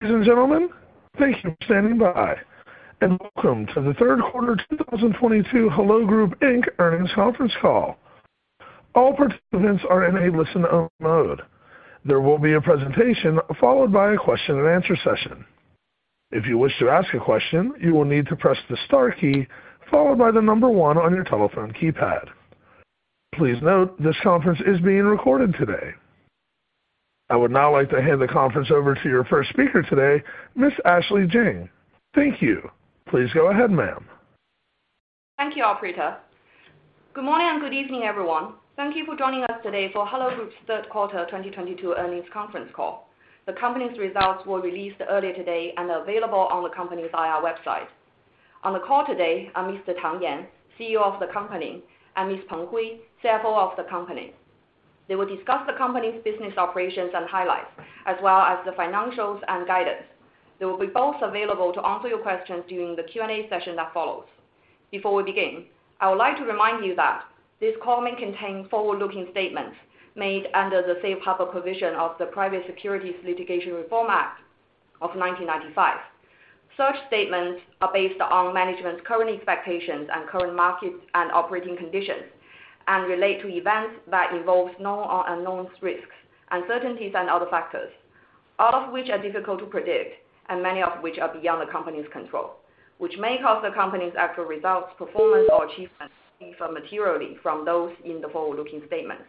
Ladies and gentlemen, thank you for standing by. Welcome to the third quarter 2022 Hello Group Inc. Earnings Conference Call. All participants are in a listen only mode. There will be a presentation followed by a question and answer session. If you wish to ask a question, you will need to press the star key followed by the number one on your telephone keypad. Please note this conference is being recorded today. I would now like to hand the conference over to your first speaker today, Ms. Ashley Jing. Thank you. Please go ahead, ma'am. Thank you, operator. Good morning and good evening, everyone. Thank you for joining us today for Hello Group's third quarter 2022 earnings conference call. The company's results were released earlier today and available on the company's IR website. On the call today are Mr. Tang Yan, CEO of the company, and Ms. Cathy Peng, CFO of the company. They will discuss the company's business operations and highlights, as well as the financials and guidance. They will be both available to answer your questions during the Q&A session that follows. Before we begin, I would like to remind you that this call may contain forward-looking statements made under the Safe Harbor provision of the Private Securities Litigation Reform Act of 1995. Such statements are based on management's current expectations and current market and operating conditions, and relate to events that involve known or unknowns risks, uncertainties and other factors. All of which are difficult to predict, and many of which are beyond the company's control, which may cause the company's actual results, performance, or achievements to differ materially from those in the forward-looking statements.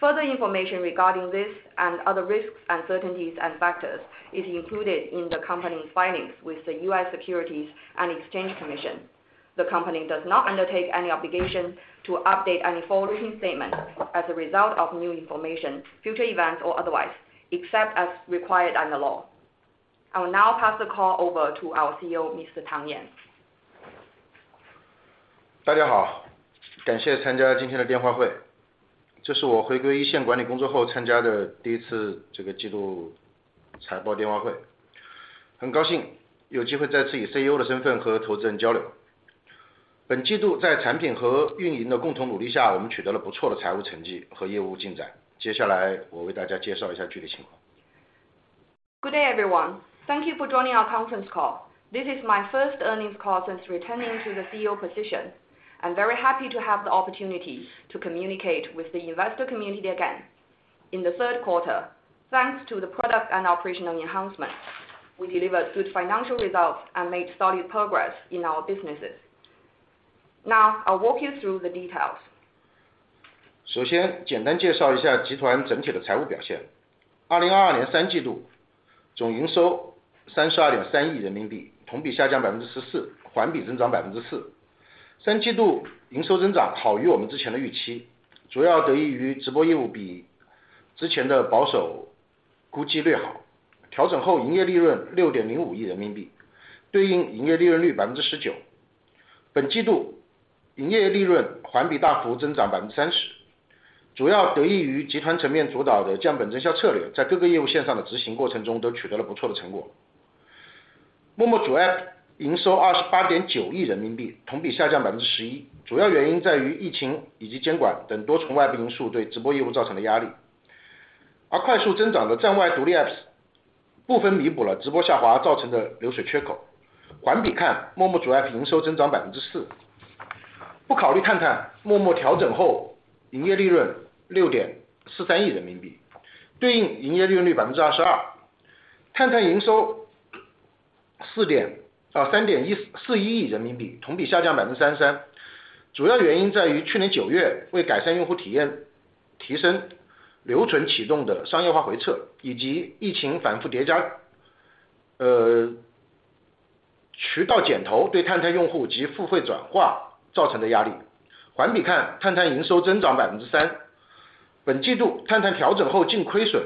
Further information regarding this and other risks, uncertainties and factors is included in the company's filings with the U.S. Securities and Exchange Commission. The company does not undertake any obligation to update any forward-looking statement as a result of new information, future events, or otherwise, except as required under law. I will now pass the call over to our CEO, Mr. Tang Yan. Good day, everyone. Thank you for joining our conference call. This is my first earnings call since returning to the CEO position. I'm very happy to have the opportunity to communicate with the investor community again. In the third quarter, thanks to the product and operational enhancements, we delivered good financial results and made solid progress in our businesses. I'll walk you through the details. Good day, everyone. Thank you for joining our conference call. This is my first earnings call since returning to the CEO position. I'm very happy to have the opportunity to communicate with the investor community again. In the third quarter, thanks to the product and operational enhancements, we delivered good financial results and made solid progress in our businesses. I'll walk you through the details.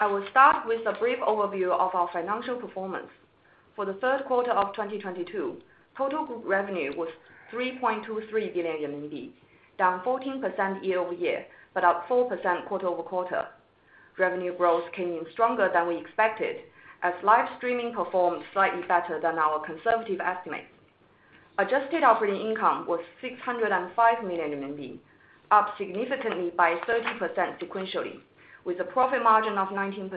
I will start with a brief overview of our financial performance. For the third quarter of 2022, total group revenue was 3.23 billion RMB, down 14% year-over-year, but up 4% quarter-over-quarter. Revenue growth came in stronger than we expected, as live streaming performed slightly better than our conservative estimates. Adjusted operating income was 605 million RMB, up significantly by 13% sequentially, with a profit margin of 19%.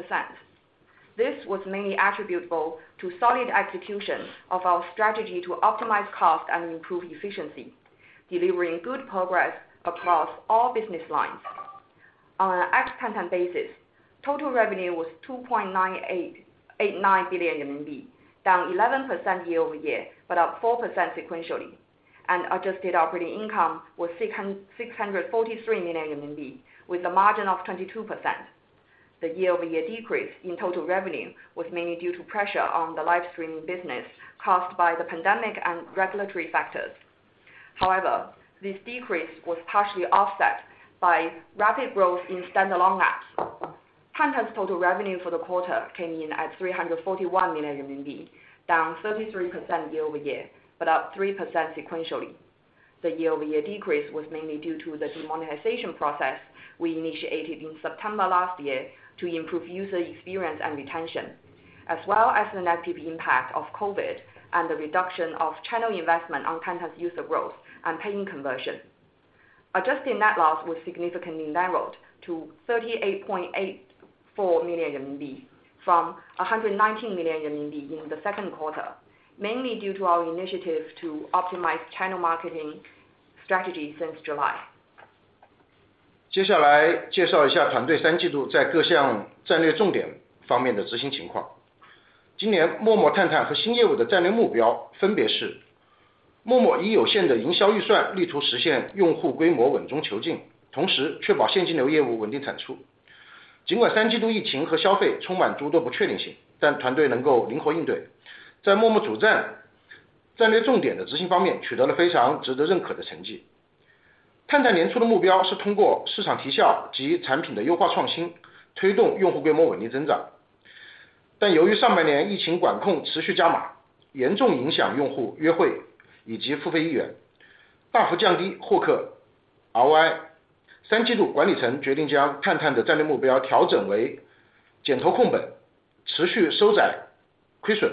This was mainly attributable to solid execution of our strategy to optimize cost and improve efficiency, delivering good progress across all business lines. On an ex-Tantan basis, total revenue was 2.89 billion RMB, down 11% year-over-year, but up 4% sequentially, and adjusted operating income was 643 million RMB with a margin of 22%. The year-over-year decrease in total revenue was mainly due to pressure on the live streaming business caused by the pandemic and regulatory factors. However, this decrease was partially offset by rapid growth in standalone apps. Tantan's total revenue for the quarter came in at 341 million RMB, down 33% year-over-year. Up 3% sequentially. The year-over-year decrease was mainly due to the demonetization process we initiated in September last year to improve user experience and retention, as well as the negative impact of COVID and the reduction of channel investment on content user growth and paying conversion. Adjusted net loss was significantly narrowed to 38.84 million renminbi from 119 million renminbi in the second quarter, mainly due to our initiatives to optimize channel marketing strategy since July. 接下来介绍一下团队三季度在各项战略重点方面的执行情况。今年陌陌、探探和新业务的战略目标分别 是： 陌陌以有限的营销预 算， 力图实现用户规模稳中求 进， 同时确保现金流业务稳定产出。尽管三季度疫情和消费充满诸多不确定 性， 但团队能够灵活应对。在陌陌主阵战略重点的执行方面取得了非常值得认可的成绩。探探年初的目标是通过市场提效及产品的优化创 新， 推动用户规模稳定增长。但由于上半年疫情管控持续加 码， 严重影响用户约会以及付费意 愿， 大幅降低获客 ROI。三季度管理层决定将探探的战略目标调整为减投控 本， 持续收窄亏 损，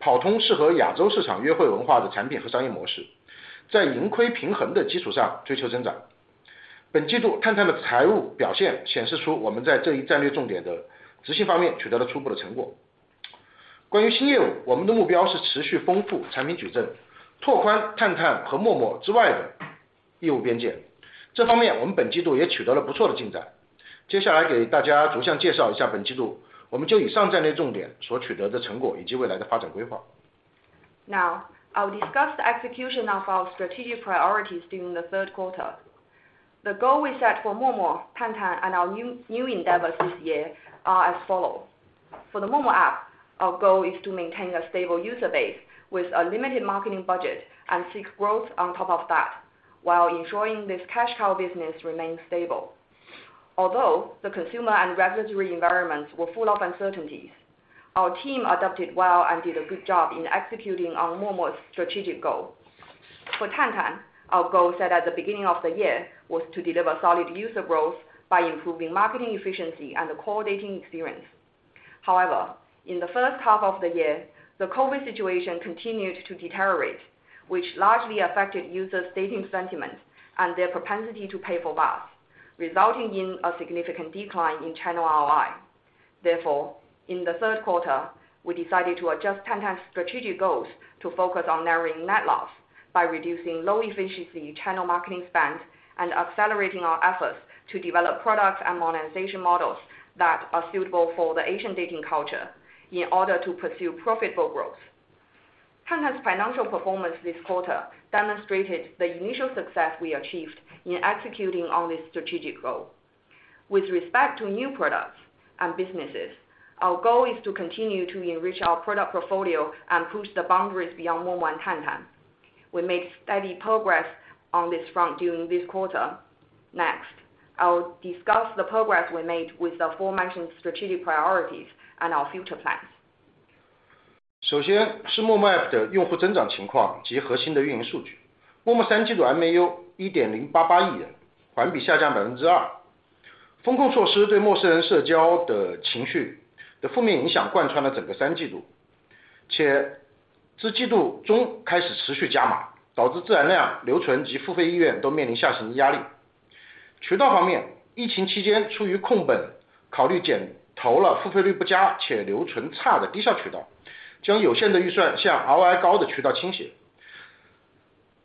跑通适合亚洲市场约会文化的产品和商业模式，在盈亏平衡的基础上追求增长。本季度探探的财务表现显示出我们在这一战略重点的执行方面取得了初步的成果。关于新业 务， 我们的目标是持续丰富产品矩 阵， 拓宽探探和陌陌之外的业务边界。这方面我们本季度也取得了不错的进展。接下来给大家逐项介绍一下本季度我们就以上战略重点所取得的成果以及未来的发展规划。Now I'll discuss the execution of our strategic priorities during the third quarter. The goal we set for Momo, Tantan and our new endeavors this year are as follow: For the Momo app, our goal is to maintain a stable user base with a limited marketing budget and seek growth on top of that, while ensuring this cash cow business remains stable. Although the consumer and regulatory environments were full of uncertainties, our team adapted well and did a good job in executing on Momo's strategic goal. For Tantan, our goal set at the beginning of the year was to deliver solid user growth by improving marketing efficiency and the core dating experience. However, in the first half of the year, the COVID situation continued to deteriorate, which largely affected users dating sentiments and their propensity to pay for that, resulting in a significant decline in channel ROI. In the third quarter, we decided to adjust Tantan's strategic goals to focus on narrowing net loss by reducing low efficiency channel marketing spend and accelerating our efforts to develop products and monetization models that are suitable for the Asian dating culture in order to pursue profitable growth. Tantan's financial performance this quarter demonstrated the initial success we achieved in executing on this strategic goal. With respect to new products and businesses, our goal is to continue to enrich our product portfolio and push the boundaries beyond Momo and Tantan. We made steady progress on this front during this quarter. I will discuss the progress we made with the aforementioned strategic priorities and our future plans. 首先是陌陌 APP 的用户增长情况及核心的运营数据。陌陌三季度 MAU 一点零八八亿 人， 环比下降百分之二。封控措施对陌生人社交的情绪的负面影响贯穿了整个三季 度， 且至季度中开始持续加 码， 导致自然量、留存及付费意愿都面临下行压力。渠道方 面， 疫情期间出于控本考 虑， 减投了付费率不佳且留存差的低效渠 道， 将有限的预算向 ROI 高的渠道倾斜。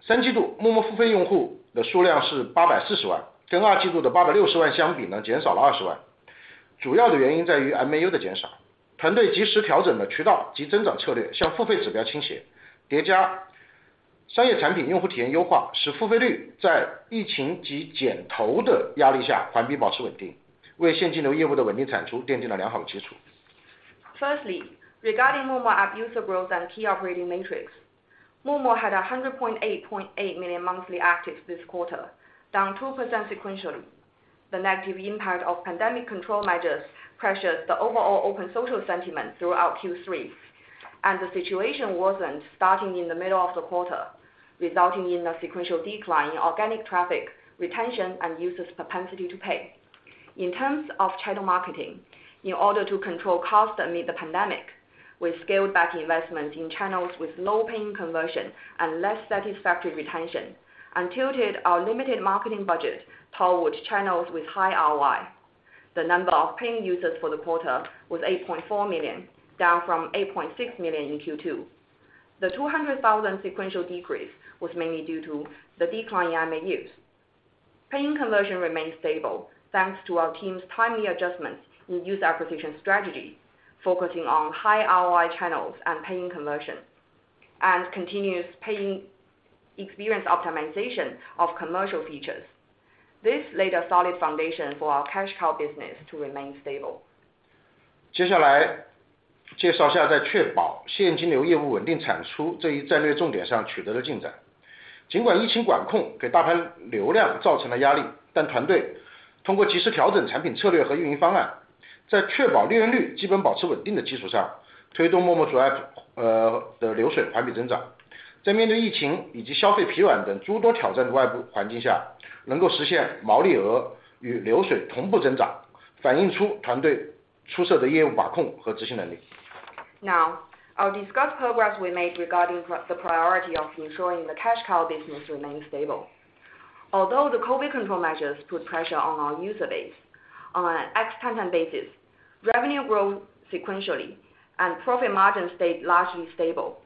三季度陌陌付费用户的数量是八百四十 万， 跟二季度的八百六十万相比呢减少了二十万。主要的原因在于 MAU 的减少。团队及时调整了渠道及增长策 略， 向付费指标倾斜。叠加商业产品用户体验优 化， 使付费率在疫情及减投的压力下环比保持稳 定， 为现金流业务的稳定产出奠定了良好的基础。Regarding Momo app user growth and key operating metrics. Momo had 100.88 million monthly actives this quarter, down 2% sequentially. The negative impact of pandemic control measures pressured the overall open social sentiment throughout Q3, the situation worsened starting in the middle of the quarter, resulting in a sequential decline in organic traffic, retention, and users propensity to pay. In terms of channel marketing, in order to control costs amid the pandemic, we scaled back investments in channels with low-paying conversion and less satisfactory retention, and tilted our limited marketing budget toward channels with high ROI. The number of paying users for the quarter was 8.4 million, down from 8.6 million in Q2. The 200,000 sequential decrease was mainly due to the decline in MAUs. Paying conversion remained stable, thanks to our team's timely adjustments in user acquisition strategy, focusing on high ROI channels and paying conversion, and continuous paying experience optimization of commercial features. This laid a solid foundation for our cash cow business to remain stable. 接下来介绍一下在确保现金流业务稳定产出这一战略重点上取得的进 展. 尽管疫情管控给大盘流量造成了压 力, 但团队通过及时调整产品策略和运营方案在确保利润率基本保持稳定的基础 上, 推动 Momo 主 App, 的流水环比增 长. 在面对疫情以及消费疲软等诸多挑战的外部环境 下, 能够实现毛利额与流水同步增 长, 反映出团队出色的业务把控和执行能 力. Now, I'll discuss progress we made regarding the priority of ensuring the cash cow business remains stable. Although the COVID control measures put pressure on our user base on an X time basis, revenue growth sequentially and profit margins stayed largely stable,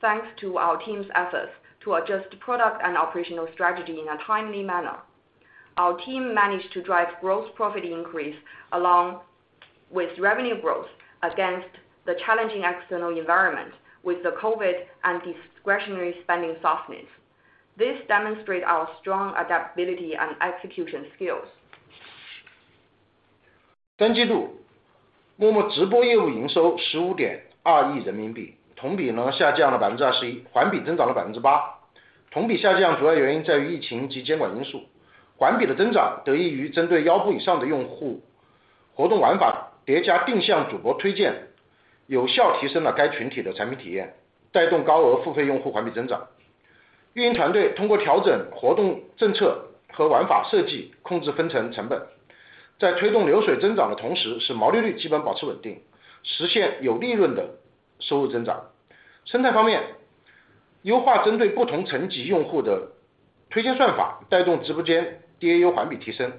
thanks to our team's efforts to adjust product and operational strategy in a timely manner. Our team managed to drive gross profit increase along with revenue growth against the challenging external environment with the COVID and discretionary spending softness. This demonstrate our strong adaptability and execution skills. 三季 度， 陌陌直播业务营收十五点二亿人民 币， 同比呢下降了百分之二十 一， 环比增长了百分之八。同比下降主要原因在于疫情及监管因素。环比的增长得益于针对腰部以上的用户活动玩 法， 叠加定向主播推 荐， 有效提升了该群体的产品体 验， 带动高额付费用户环比增长。运营团队通过调整活动政策和玩法设 计， 控制分成成 本， 在推动流水增长的同 时， 使毛利率基本保持稳 定， 实现有利润的收入增长。生态方 面， 优化针对不同层级用户的推荐算 法， 带动直播间 DAU 环比提升。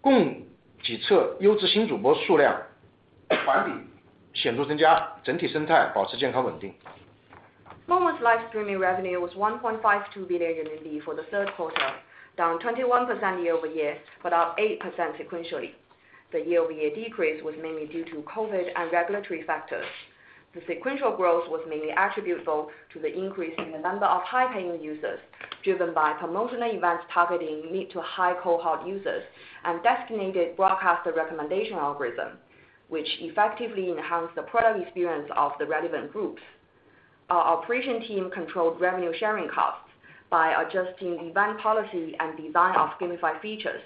共计测优质新主播数量环比显著增 加， 整体生态保持健康稳定。Momo live streaming revenue was 1.52 billion for the third quarter, down 21% year-over-year, up 8% sequentially. The year-over-year decrease was mainly due to COVID and regulatory factors. The sequential growth was mainly attributable to the increase in the number of high paying users, driven by promotional events targeting mid to high cohort users, and designated broadcaster recommendation algorithm, which effectively enhanced the product experience of the relevant groups. Our operation team controlled revenue sharing costs by adjusting event policy and design of gamified features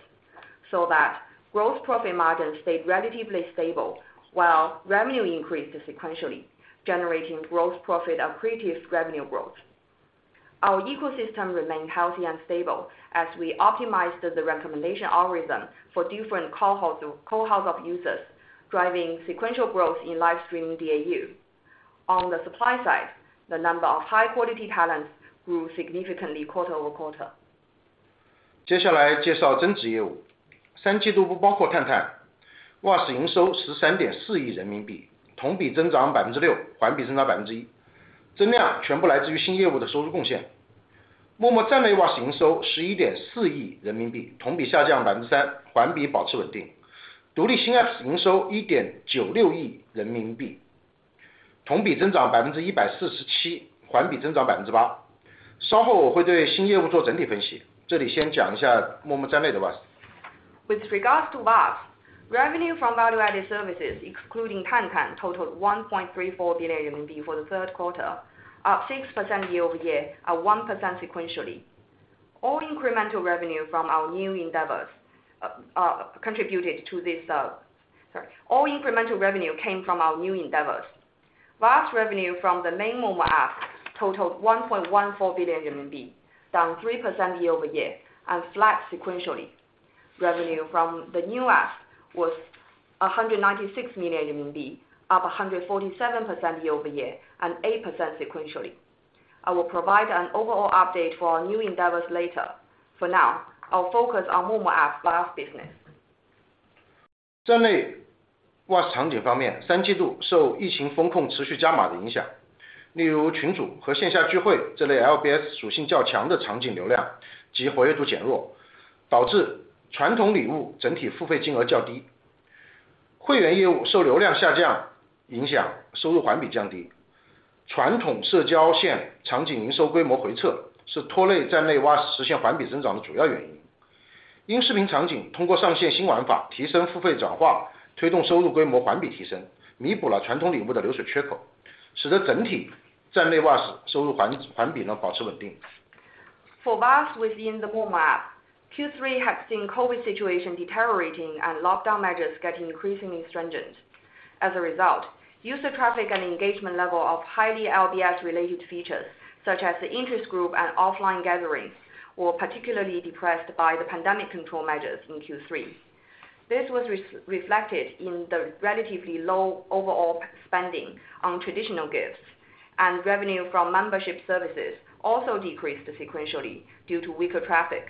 so that gross profit margins stayed relatively stable while revenue increased sequentially, generating gross profit and creative revenue growth. Our ecosystem remained healthy and stable as we optimized the recommendation algorithm for different cohorts of users, driving sequential growth in live streaming DAU. On the supply side, the number of high quality talents grew significantly quarter-over-quarter. 接下来介绍增值业务。三季度不包括探探。VAS 营收十三点四亿人民 币， 同比增长百分之 六， 环比增长百分之一。增量全部来自于新业务的收入贡献。陌陌站内 VAS 营收十一点四亿人民 币， 同比下降百分之 三， 环比保持稳定。独立新 app 营收一点九六亿人民 币， 同比增长百分之一百四十 七， 环比增长百分之八。稍后我会对新业务做整体分 析， 这里先讲一下陌陌站内的 VAS。With regards to VAS, revenue from Value-Added Services including Tantan totaled 1.34 billion RMB for the third quarter, up 6% year-over-year, up 1% sequentially. All incremental revenue came from our new endeavors. VAS revenue from the main Momo app totaled 1.14 billion RMB, down 3% year-over-year and flat sequentially. Revenue from the new app was 196 million RMB, up 147% year-over-year and 8% sequentially. I will provide an overall update for our new endeavors later. For now, I'll focus on Momo app VAS business. 站内 VAS 场景方 面, 三季度受疫情封控持续加码的影 响, 例如群组和线下聚会这类 LBS 属性较强的场景流量及活跃度减 弱, 导致传统礼物整体付费金额较 低. 会员业务受流量下降影 响, 收入环比降 低. 传统社交线场景营收规模回 撤, 是拖累站内 VAS 实现环比增长的主要原 因. 音视频场景通过上线新玩 法, 提升付费转 化, 推动收入规模环比提 升, 弥补了传统礼物的流水缺 口, 使得整体站内 VAS 收入环比呢保持稳 定. For VAS within the Momo app, Q3 has seen COVID situation deteriorating and lockdown measures get increasingly stringent. As a result, user traffic and engagement level of highly LBS related features such as the interest group and offline gatherings, were particularly depressed by the pandemic control measures in Q3. This was reflected in the relatively low overall spending on traditional gifts, and revenue from membership services also decreased sequentially due to weaker traffic.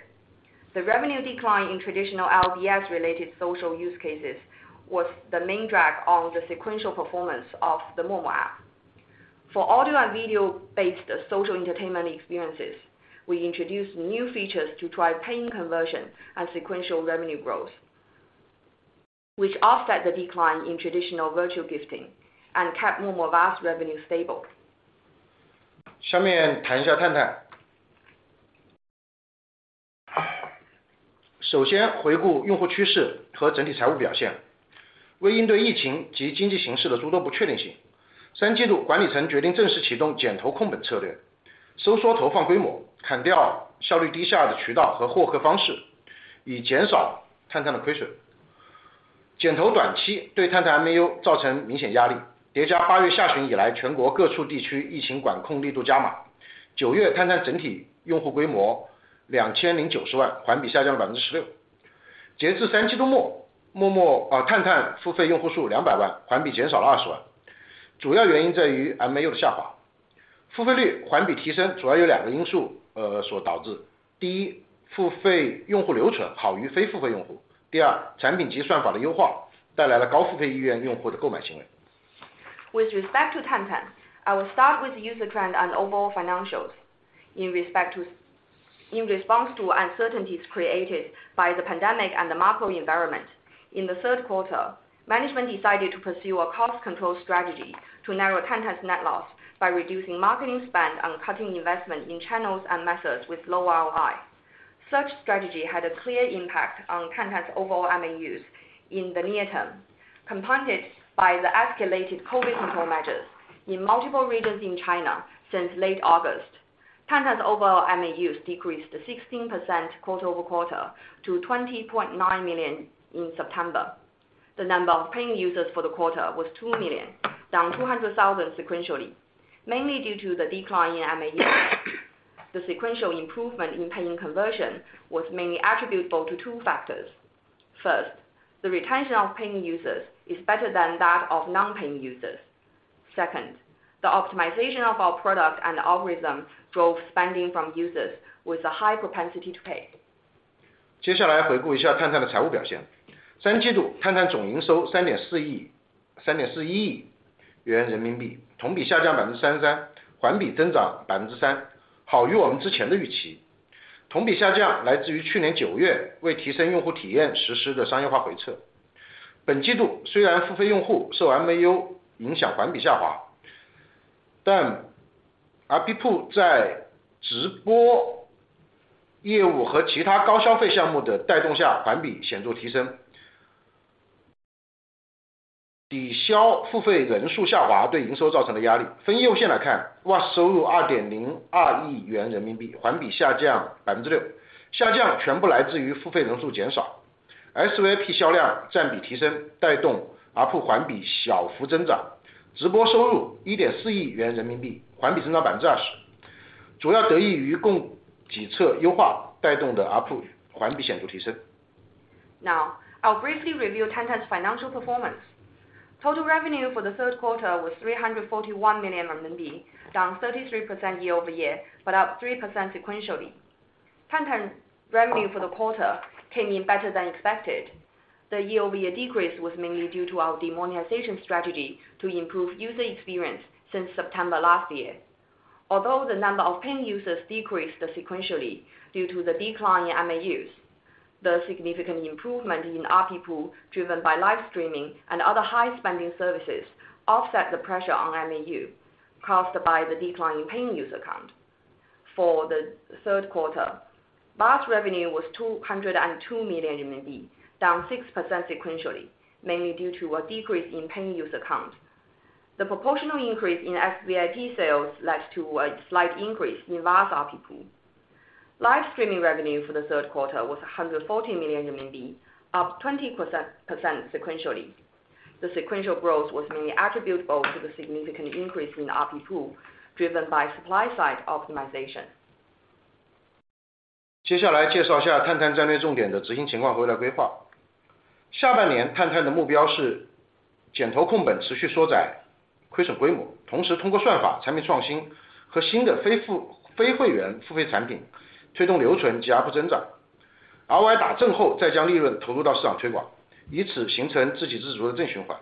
The revenue decline in traditional LBS related social use cases was the main drag on the sequential performance of the Momo app. For audio and video based social entertainment experiences, we introduced new features to drive paying conversion and sequential revenue growth, which offset the decline in traditional virtual gifting and kept Momo VAS revenue stable. 下面谈一下探探。首先回顾用户趋势和整体财务表现。为应对疫情及经济形势的诸多不确定 性， 三季度管理层决定正式启动减投控本策略收缩投放规 模， 砍掉效率低下二的渠道和获客方 式， 以减少探探的亏损。减投短期对探探 MAU 造成明显压力。叠加八月下旬以来全国各地地区疫情管控力度加 码， 九月探探整体用户规模两千零九十 万， 环比下降百分之十六。截至三季度 末， 默默啊探探付费用户数两百 万， 环比减少了二十万。主要原因在于 MAU 的下滑。付费率环比提升主要有两个因素 呃， 所导致。第 一， 付费用户留存好于非付费用户。第 二， 产品及算法的优化带来了高付费意愿用户的购买行为。With respect to Tantan, I will start with user trend and overall financials. In response to uncertainties created by the pandemic and the macro environment. In the third quarter, management decided to pursue a cost control strategy to narrow Tantan's net loss by reducing marketing spend on cutting investment in channels and methods with low ROI. Such strategy had a clear impact on Tantan's overall MAUs in the near term, compounded by the escalated COVID control measures in multiple regions in China since late August. Tantan's overall MAUs decreased 16% quarter-over-quarter to 20.9 million in September. The number of paying users for the quarter was 2 million, down 200,000 sequentially, mainly due to the decline in MAUs. The sequential improvement in paying conversion was mainly attributable to two factors. First, the retention of paying users is better than that of non-paying users. Second, the optimization of our product and algorithm drove spending from users with a high propensity to pay. 接下来回顾一下探探的财务表现。三季度探探总营收三点四 亿， 三点四一亿元人民 币， 同比下降百分之三十 三， 环比增长百分之 三， 好于我们之前的预期。同比下降来自于去年九月为提升用户体验实施的商业化回撤。本季度虽然付费用户受 MAU 影响环比下滑，但 ARPU 在直播业务和其他高消费项目的带动下环比显著提升。抵消付费人数下滑对营收造成的压力。分业务线来看 ，VAS 收入二点零二亿元人民 币， 环比下降百分之 六， 下降全部来自于付费人数减少。SVIP 销量占比提 升， 带动 ARPU 环比小幅增长。直播收入一点四亿元人民 币， 环比增长百分之二 十， 主要得益于供几侧优化带动的 ARPU 环比显著提升。Now I'll briefly review Tantan's financial performance. Total revenue for the third quarter was 341 million RMB, down 33% year-over-year, but up 3% sequentially. Tantan revenue for the quarter came in better than expected. The year-over-year decrease was mainly due to our demonetization strategy to improve user experience since September last year. Although the number of paying users decreased sequentially due to the decline in MAUs, the significant improvement in ARPU, driven by live streaming and other high spending services, offset the pressure on MAU caused by the decline in paying user count. For the third quarter, VAS revenue was 202 million RMB, down 6% sequentially, mainly due to a decrease in paying user counts. The proportional increase in SVIP sales led to a slight increase in VAS ARPU. Live streaming revenue for the third quarter was 140 million RMB, up 20% sequentially. The sequential growth was mainly attributable to the significant increase in ARPU driven by supply side optimization. 接下来介绍下 Tantan 战略重点的执行情 况， 未来规划。下半年 Tantan 的目标是减投控 本， 持续缩窄亏损规 模， 同时通过算法、产品创新和新的非会员付费产品推动留存及 ARPU 增长。ROI 打正 后， 再将利润投入到市场推 广， 以此形成自己自主的正循环。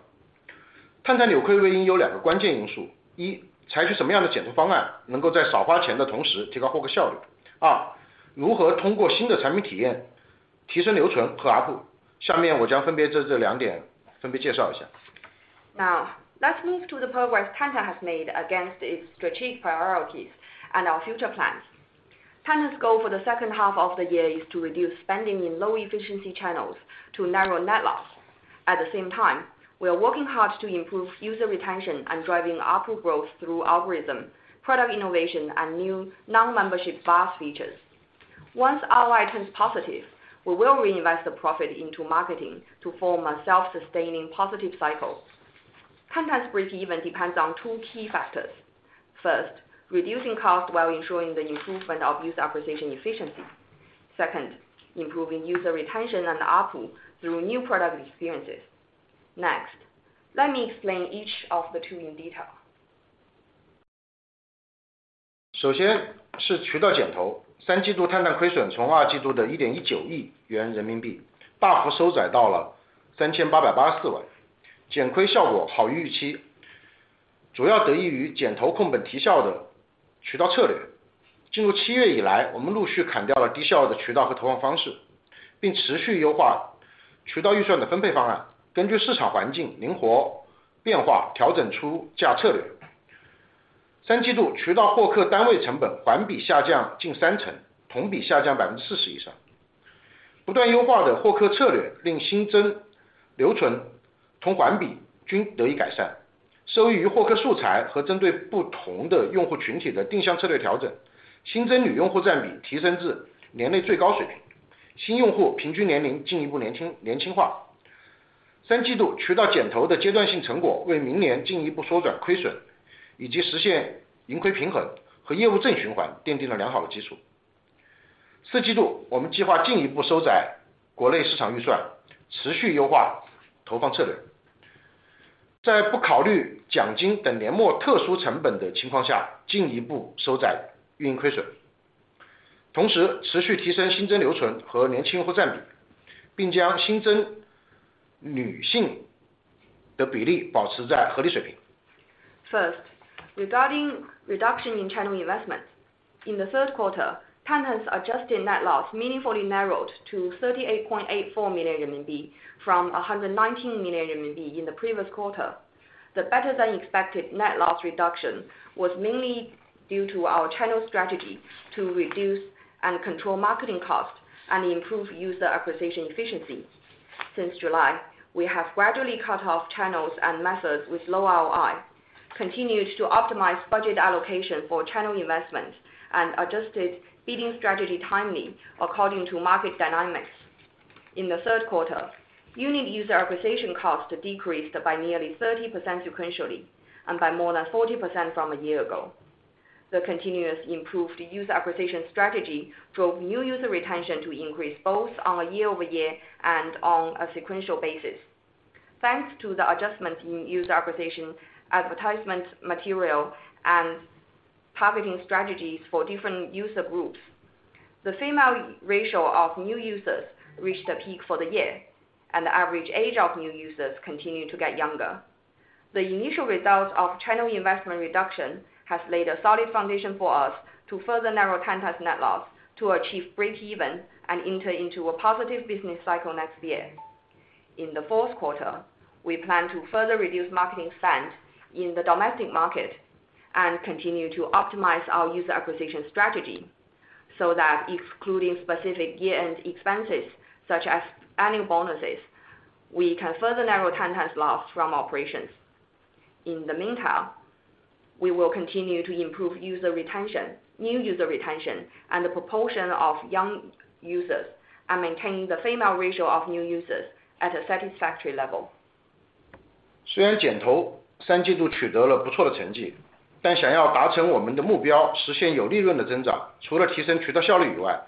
Tantan 扭亏为盈有2个关键因 素： 1、采取什么样的减投方 案， 能够在少花钱的同时提高获客效率。2、如何通过新的产品体验提升留存和 ARPU。下面我将分别这两点分别介绍一下。Let's move to the progress Tantan has made against its strategic priorities and our future plans. Tantan's goal for the second half of the year is to reduce spending in low efficiency channels to narrow net loss. At the same time, we are working hard to improve user retention and driving ARPU growth through algorithm, product innovation and new non-membership VAS features. Once ROI turns positive, we will reinvest the profit into marketing to form a self-sustaining positive cycle. Tantan's breakeven depends on two key factors. First, reducing cost while ensuring the improvement of user acquisition efficiency. Second, improving user retention and ARPU through new product experiences. Next, let me explain each of the two in detail. 首先是渠道减投。三季度探探亏损从二季度的亿点一九亿元人民币大幅收窄到了三千八百八十四 万， 减亏效果好于预 期， 主要得益于减投控本提效的渠道策略。进入七月以 来， 我们陆续砍掉了低效的渠道和投放方 式， 并持续优化渠道预算的分配方 案， 根据市场环境灵活变 化， 调整出价策略。三季度渠道获客单位成本环比下降近三 成， 同比下降百分之四十以上不断优化了获客策 略， 令新增留存、同环比均得以改善。受益于获客素材和针对不同的用户群体的定向策略调 整， 新增女用户占比提升至年内最高水 平， 新用户平均年龄进一步年 轻， 年轻化。三季度渠道减投的阶段性成 果， 为明年进一步缩减亏损以及实现盈亏平衡和业务正循环奠定了良好的基础。四季 度， 我们计划进一步收窄国内市场预 算， 持续优化投放策略。在不考虑奖金等年末特殊成本的情况 下， 进一步收窄运营亏损。同时持续提升新增留存和年轻用户占 比， 并将新增女性的比例保持在合理水平。Regarding reduction in channel investments. In the third quarter, Tantan's adjusted net loss meaningfully narrowed to 38.84 million RMB from 119 million RMB in the previous quarter. The better than expected net loss reduction was mainly due to our channel strategy to reduce and control marketing costs and improve user acquisition efficiency. Since July, we have gradually cut off channels and methods with low ROI, continued to optimize budget allocation for channel investment, and adjusted bidding strategy timely according to market dynamics. In the third quarter, unit user acquisition cost decreased by nearly 30% sequentially and by more than 40% from a year ago. The continuous improved user acquisition strategy drove new user retention to increase both on a year-over-year and on a sequential basis. Thanks to the adjustment in user acquisition advertisement material and targeting strategies for different user groups, the female ratio of new users reached a peak for the year, and the average age of new users continued to get younger. The initial results of channel investment reduction has laid a solid foundation for us to further narrow Tantan's net loss to achieve breakeven and enter into a positive business cycle next year. In the fourth quarter, we plan to further reduce marketing spend in the domestic market and continue to optimize our user acquisition strategy so that excluding specific year-end expenses such as annual bonuses, we can further narrow Tantan's loss from operations. In the meantime, we will continue to improve user retention, new user retention and the proportion of young users, and maintain the female ratio of new users at a satisfactory level. 虽然减投三季度取得了不错的成 绩， 但想要达成我们的目 标， 实现有利润的增 长， 除了提升渠道效率以 外，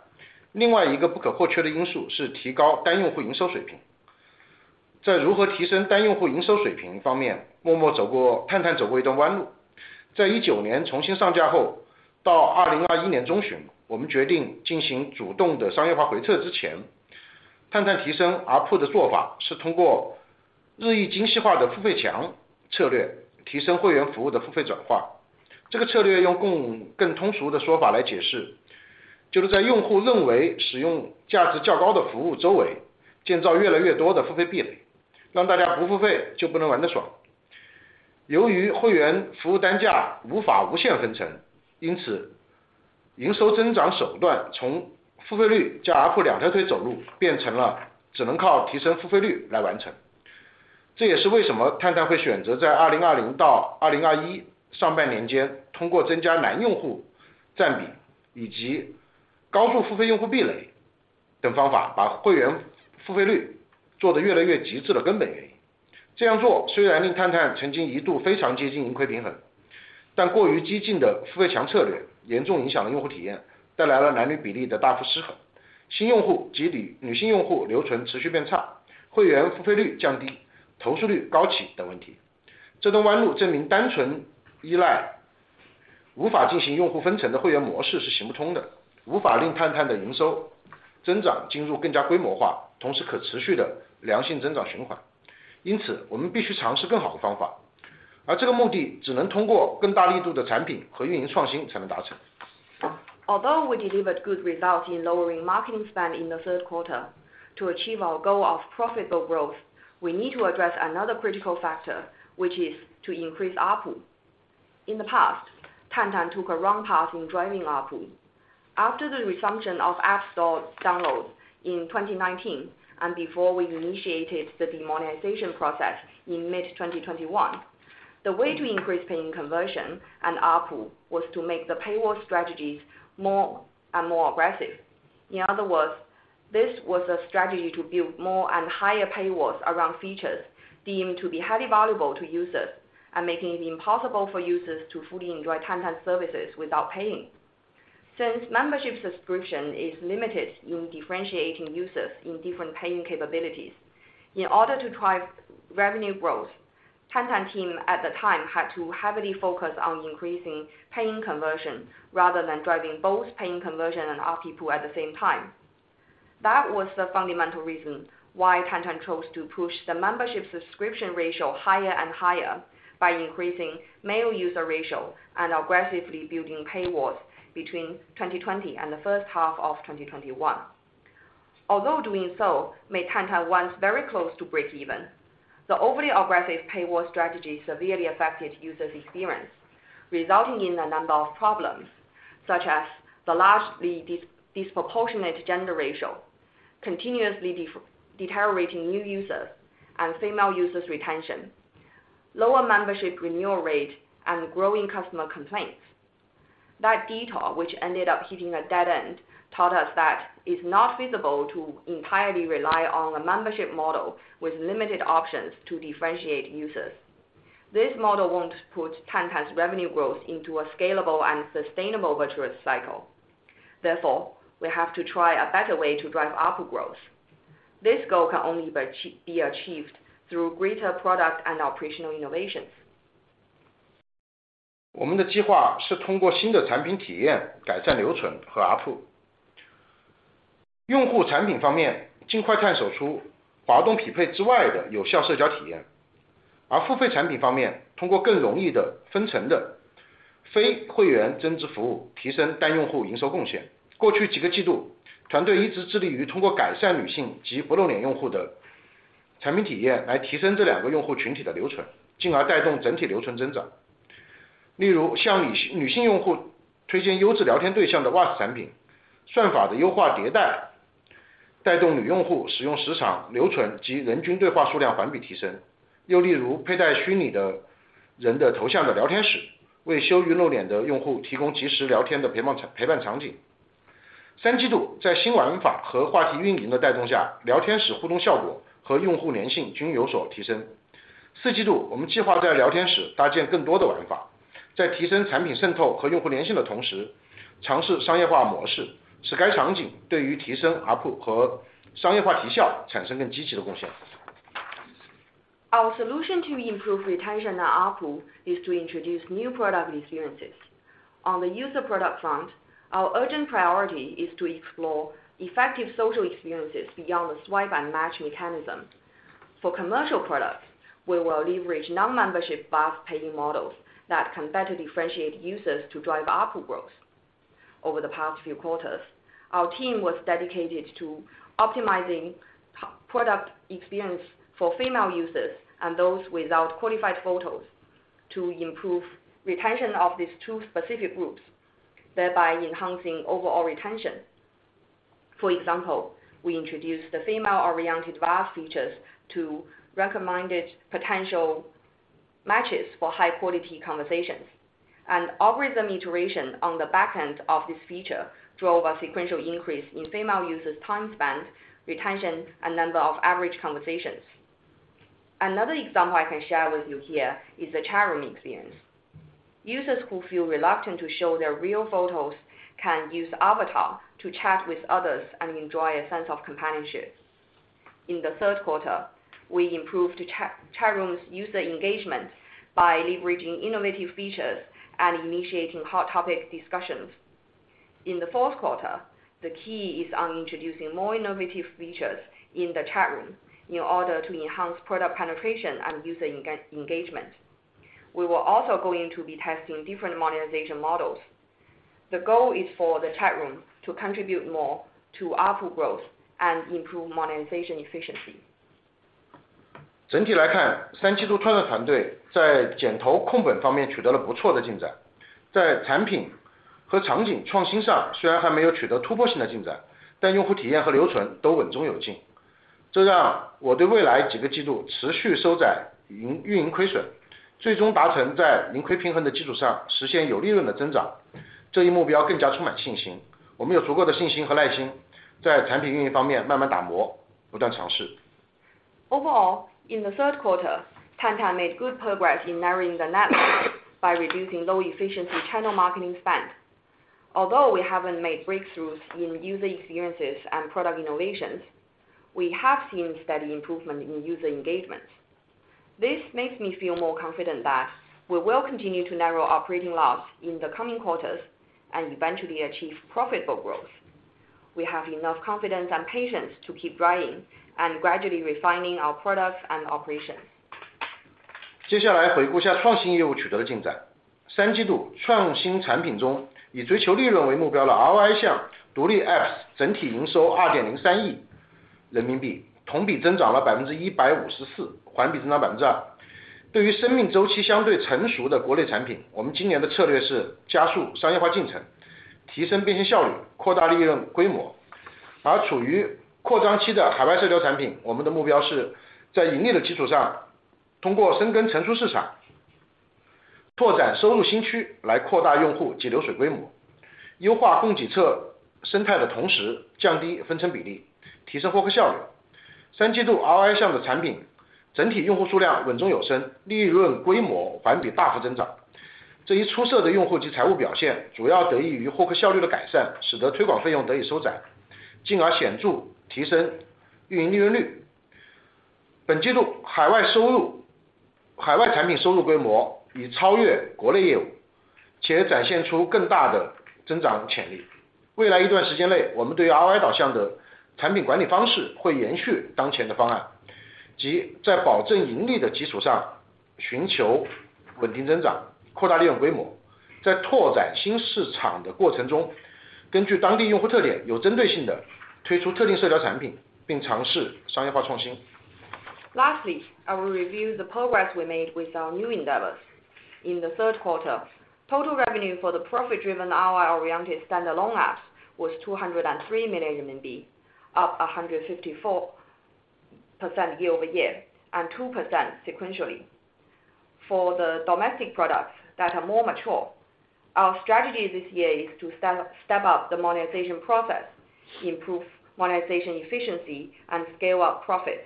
另外一个不可或缺的因素是提高单用户营收水平。在如何提升单用户营收水平方 面， 陌陌走 过， 探探走过一段弯路。在19年重新上架 后， 到2021年中 旬， 我们决定进行主动的商业化回撤之 前， 探探提升 ARPU 的做法是通过日益精细化的付费墙策 略， 提升会员服务的付费转化。这个策略用 更， 更通俗的说法来解 释， 就是在用户认为使用价值较高的服务周围建造越来越多的付费壁 垒， 让大家不付费就不能玩得爽。由于会员服务单价无法无限分 层， 因此营收增长手段从付费率加 ARPU 两条腿走路变成了只能靠提升付费率来完成。这也是为什么探探会选择在2020到2021上半年 间， 通过增加男用户占比以及高度付费用户壁垒等方 法， 把会员付费率做得越来越极致的根本原因。这样做虽然令探探曾经一度非常接近盈亏平 衡， 但过于激进的付费墙策略严重影响了用户体 验， 带来了男女比例的大幅失衡、新用 户， 即 女， 女性用户留存持续变差、会员付费率降低、投诉率高企等问题。这段弯路证明单纯依赖无法进行用户分层的会员模式是行不通 的， 无法令探探的营收增长进入更加规模 化， 同时可持续的良性增长循环。因 此， 我们必须尝试更好的方 法， 而这个目的只能通过更大力度的产品和运营创新才能达成。Although we delivered good results in lowering marketing spend in the third quarter, to achieve our goal of profitable growth, we need to address another critical factor, which is to increase ARPU. In the past, Tantan took a wrong path in driving ARPU. After the resumption of App Store downloads in 2019 and before we initiated the demonetization process in mid-2021, the way to increase paying conversion and ARPU was to make the paywall strategies more and more aggressive. In other words, this was a strategy to build more and higher paywalls around features deemed to be highly valuable to users and making it impossible for users to fully enjoy Tantan's services without paying. Since membership subscription is limited in differentiating users in different paying capabilities, in order to drive revenue growth, Tantan team at the time had to heavily focus on increasing paying conversion rather than driving both paying conversion and ARPU at the same time. That was the fundamental reason why Tantan chose to push the membership subscription ratio higher and higher by increasing male user ratio and aggressively building paywalls between 2020 and the first half of 2021. Although doing so made Tantan once very close to breakeven. The overly aggressive paywall strategy severely affected users' experience, resulting in a number of problems such as the largely disproportionate gender ratio continuously deteriorating new users and female users retention, lower membership renewal rate, and growing customer complaints. That detour, which ended up hitting a dead end, taught us that is not feasible to entirely rely on a membership model with limited options to differentiate users. This model won't put Tantan's revenue growth into a scalable and sustainable virtuous cycle. Therefore, we have to try a better way to drive ARPU growth. This goal can only be achieved through greater product and operational innovations. 我们的计划是通过新的产品体验改善留存和 ARPU。用户产品方 面， 尽快探索出滑动匹配之外的有效社交体验。而付费产品方 面， 通过更容易的分层的非会员增值服 务， 提升单用户营收贡献。过去几个季 度， 团队一直致力于通过改善女性及不露脸用户的产品体验来提升这两个用户群体的留 存， 进而带动整体留存增长。例如向女性用户推荐优质聊天对象的 Vase 产 品， 算法的优化迭代带动女用户使用时长、留存及人均对话数量环比提升。又例如佩戴虚拟的人的头像的聊天 室， 为羞于露脸的用户提供即时聊天的陪伴场景。三季度在新玩法和话题运营的带动 下， 聊天室互动效果和用户粘性均有所提升。四季 度， 我们计划在聊天室搭建更多的玩 法， 在提升产品渗透和用户粘性的同 时， 尝试商业化模 式， 使该场景对于提升 ARPU 和商业化提效产生更积极的贡献。Our solution to improve retention and ARPU is to introduce new product experiences. On the user product front, our urgent priority is to explore effective social experiences beyond the swipe and match mechanism. For commercial products, we will leverage non-membership-based paying models that can better differentiate users to drive ARPU growth. Over the past few quarters, our team was dedicated to optimizing product experience for female users and those without qualified photos to improve retention of these two specific groups, thereby enhancing overall retention. For example, we introduced the female-oriented Vase features to recommended potential matches for high quality conversations. Algorithm iteration on the back end of this feature drove a sequential increase in female users time spent, retention, and number of average conversations. Another example I can share with you here is the chatroom experience. Users who feel reluctant to show their real photos can use avatar to chat with others and enjoy a sense of companionship. In the third quarter, we improved chatrooms user engagement by leveraging innovative features and initiating hot topic discussions. In the fourth quarter, the key is on introducing more innovative features in the chatroom in order to enhance product penetration and user engagement. We will also going to be testing different monetization models. The goal is for the chatroom to contribute more to ARPU growth and improve monetization efficiency. 整体来 看， 三季度创的团队在减投控本方面取得了不错的进展。在产品和场景创新上虽然还没有取得突破性的进 展， 但用户体验和留存都稳中有进。这让我对未来几个季度持续收窄运营亏 损， 最终达成在盈亏平衡的基础上实现有利润的增长这一目标更加充满信心。我们有足够的信心和耐心在产品运营方面慢慢打 磨， 不断尝试。Overall, in the third quarter, Tantan made good progress in narrowing the net by reducing low efficiency channel marketing spend. Although we haven't made breakthroughs in user experiences and product innovations, we have seen steady improvement in user engagement. This makes me feel more confident that we will continue to narrow operating loss in the coming quarters and eventually achieve profitable growth. We have enough confidence and patience to keep driving and gradually refining our products and operations. 接下来回顾一下创新业务取得的进 展. 三季度创新产品 中， 以追求利润为目标的 ROI 项独立 apps 整体营收 CNY 203 million， 同比增长了 154%， 环比增长 2%. 对于生命周期相对成熟的国内产 品， 我们今年的策略是加速商业化进 程， 提升变现效 率， 扩大利润规 模. 处于扩张期的海外社交产 品， 我们的目标是在盈利的基础 上， 通过深耕成熟市场、拓展收入新区来扩大用户及流水规 模， 优化供给侧生态的同时降低分成比 例， 提升获客效 率. 三季度 ROI 项的产品整体用户数量稳中有 升， 利润规模环比大幅增 长. 这一出色的用户及财务表现主要得益于获客效率的改 善， 使得推广费用得以收 窄， 进而显著提升运营利润 率. 本季度海外产品收入规模已超越国内业 务， 且展现出更大的增长潜 力. 未来一段时间 内， 我们对于 ROI 导向的产品管理方式会延续当前的方 案， 即在保证盈利的基础上寻求稳定增 长， 扩大用户规 模. 在拓展新市场的过程 中， 根据当地用户特 点， 有针对性地推出特定社交产 品， 并尝试商业化创 新. Lastly, I will review the progress we made with our new endeavors. In the third quarter, total revenue for the profit-driven ROI-oriented standalone apps was RMB 203 million, up 154% year-over-year, and 2% sequentially. For the domestic products that are more mature, our strategy this year is to step up the monetization process, improve monetization efficiency and scale up profits.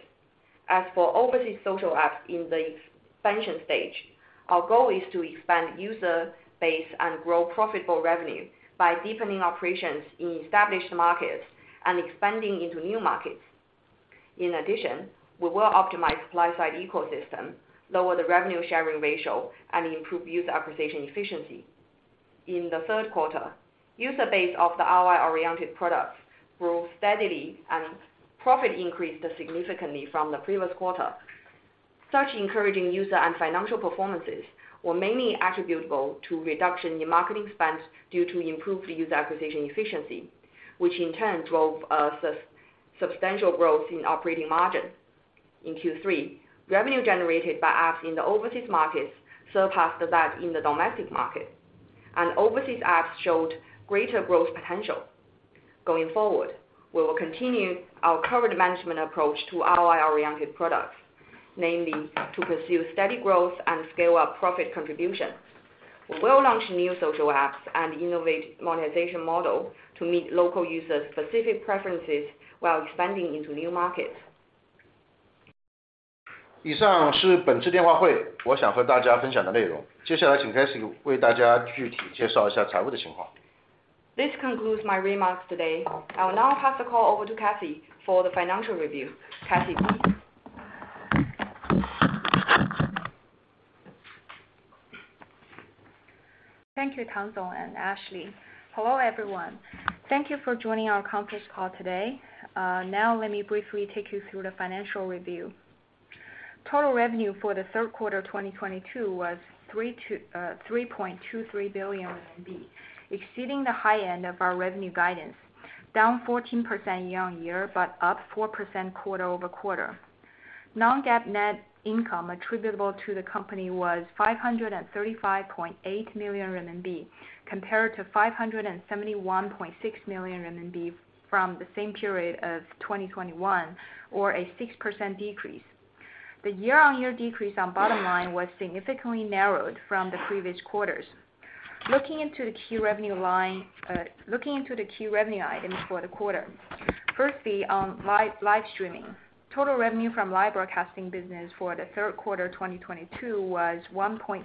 As for overseas social apps in the expansion stage, our goal is to expand user base and grow profitable revenue by deepening operations in established markets and expanding into new markets. In addition, we will optimize supply-side ecosystem, lower the revenue sharing ratio and improve user acquisition efficiency. In the third quarter, user base of the ROI-oriented products grew steadily and profit increased significantly from the previous quarter. Such encouraging user and financial performances were mainly attributable to reduction in marketing spends due to improved user acquisition efficiency, which in turn drove a substantial growth in operating margin. In Q3, revenue generated by apps in the overseas markets surpassed that in the domestic market, and overseas apps showed greater growth potential. Going forward, we will continue our covered management approach to ROI oriented products, namely to pursue steady growth and scale up profit contribution. We will launch new social apps and innovate monetization model to meet local users specific preferences while expanding into new markets. 以上是本次电话会我想和大家分享的内容。接下来请 Cathy 为大家具体介绍一下财务的情况。This concludes my remarks today. I will now pass the call over to Cathy for the financial review. Cathy, please. Thank you, Tang and Ashley. Hello, everyone. Thank you for joining our conference call today. Now let me briefly take you through the financial review. Total revenue for the third quarter 2022 was 3.23 billion RMB, exceeding the high end of our revenue guidance, down 14% year-on-year, but up 4% quarter-over-quarter. Non-GAAP net income attributable to the company was 535.8 million RMB, compared to 571.6 million RMB from the same period of 2021 or a 6% decrease. The year-on-year decrease on bottom line was significantly narrowed from the previous quarters. Looking into the key revenue items for the quarter. Firstly, on live streaming. Total revenue from live broadcasting business for the third quarter 2022 was 1.66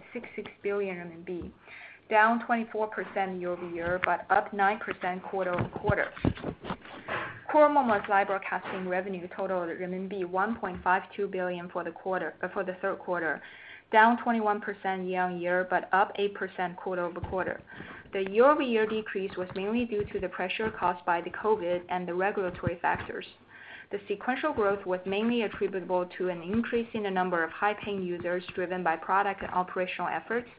billion RMB, down 24% year-over-year, but up 9% quarter-over-quarter. Core Momo's live broadcasting revenue totaled 1.52 billion for the third quarter, down 21% year-over-year, but up 8% quarter-over-quarter. The year-over-year decrease was mainly due to the pressure caused by the COVID and the regulatory factors. The sequential growth was mainly attributable to an increase in the number of high-paying users driven by product and operational efforts.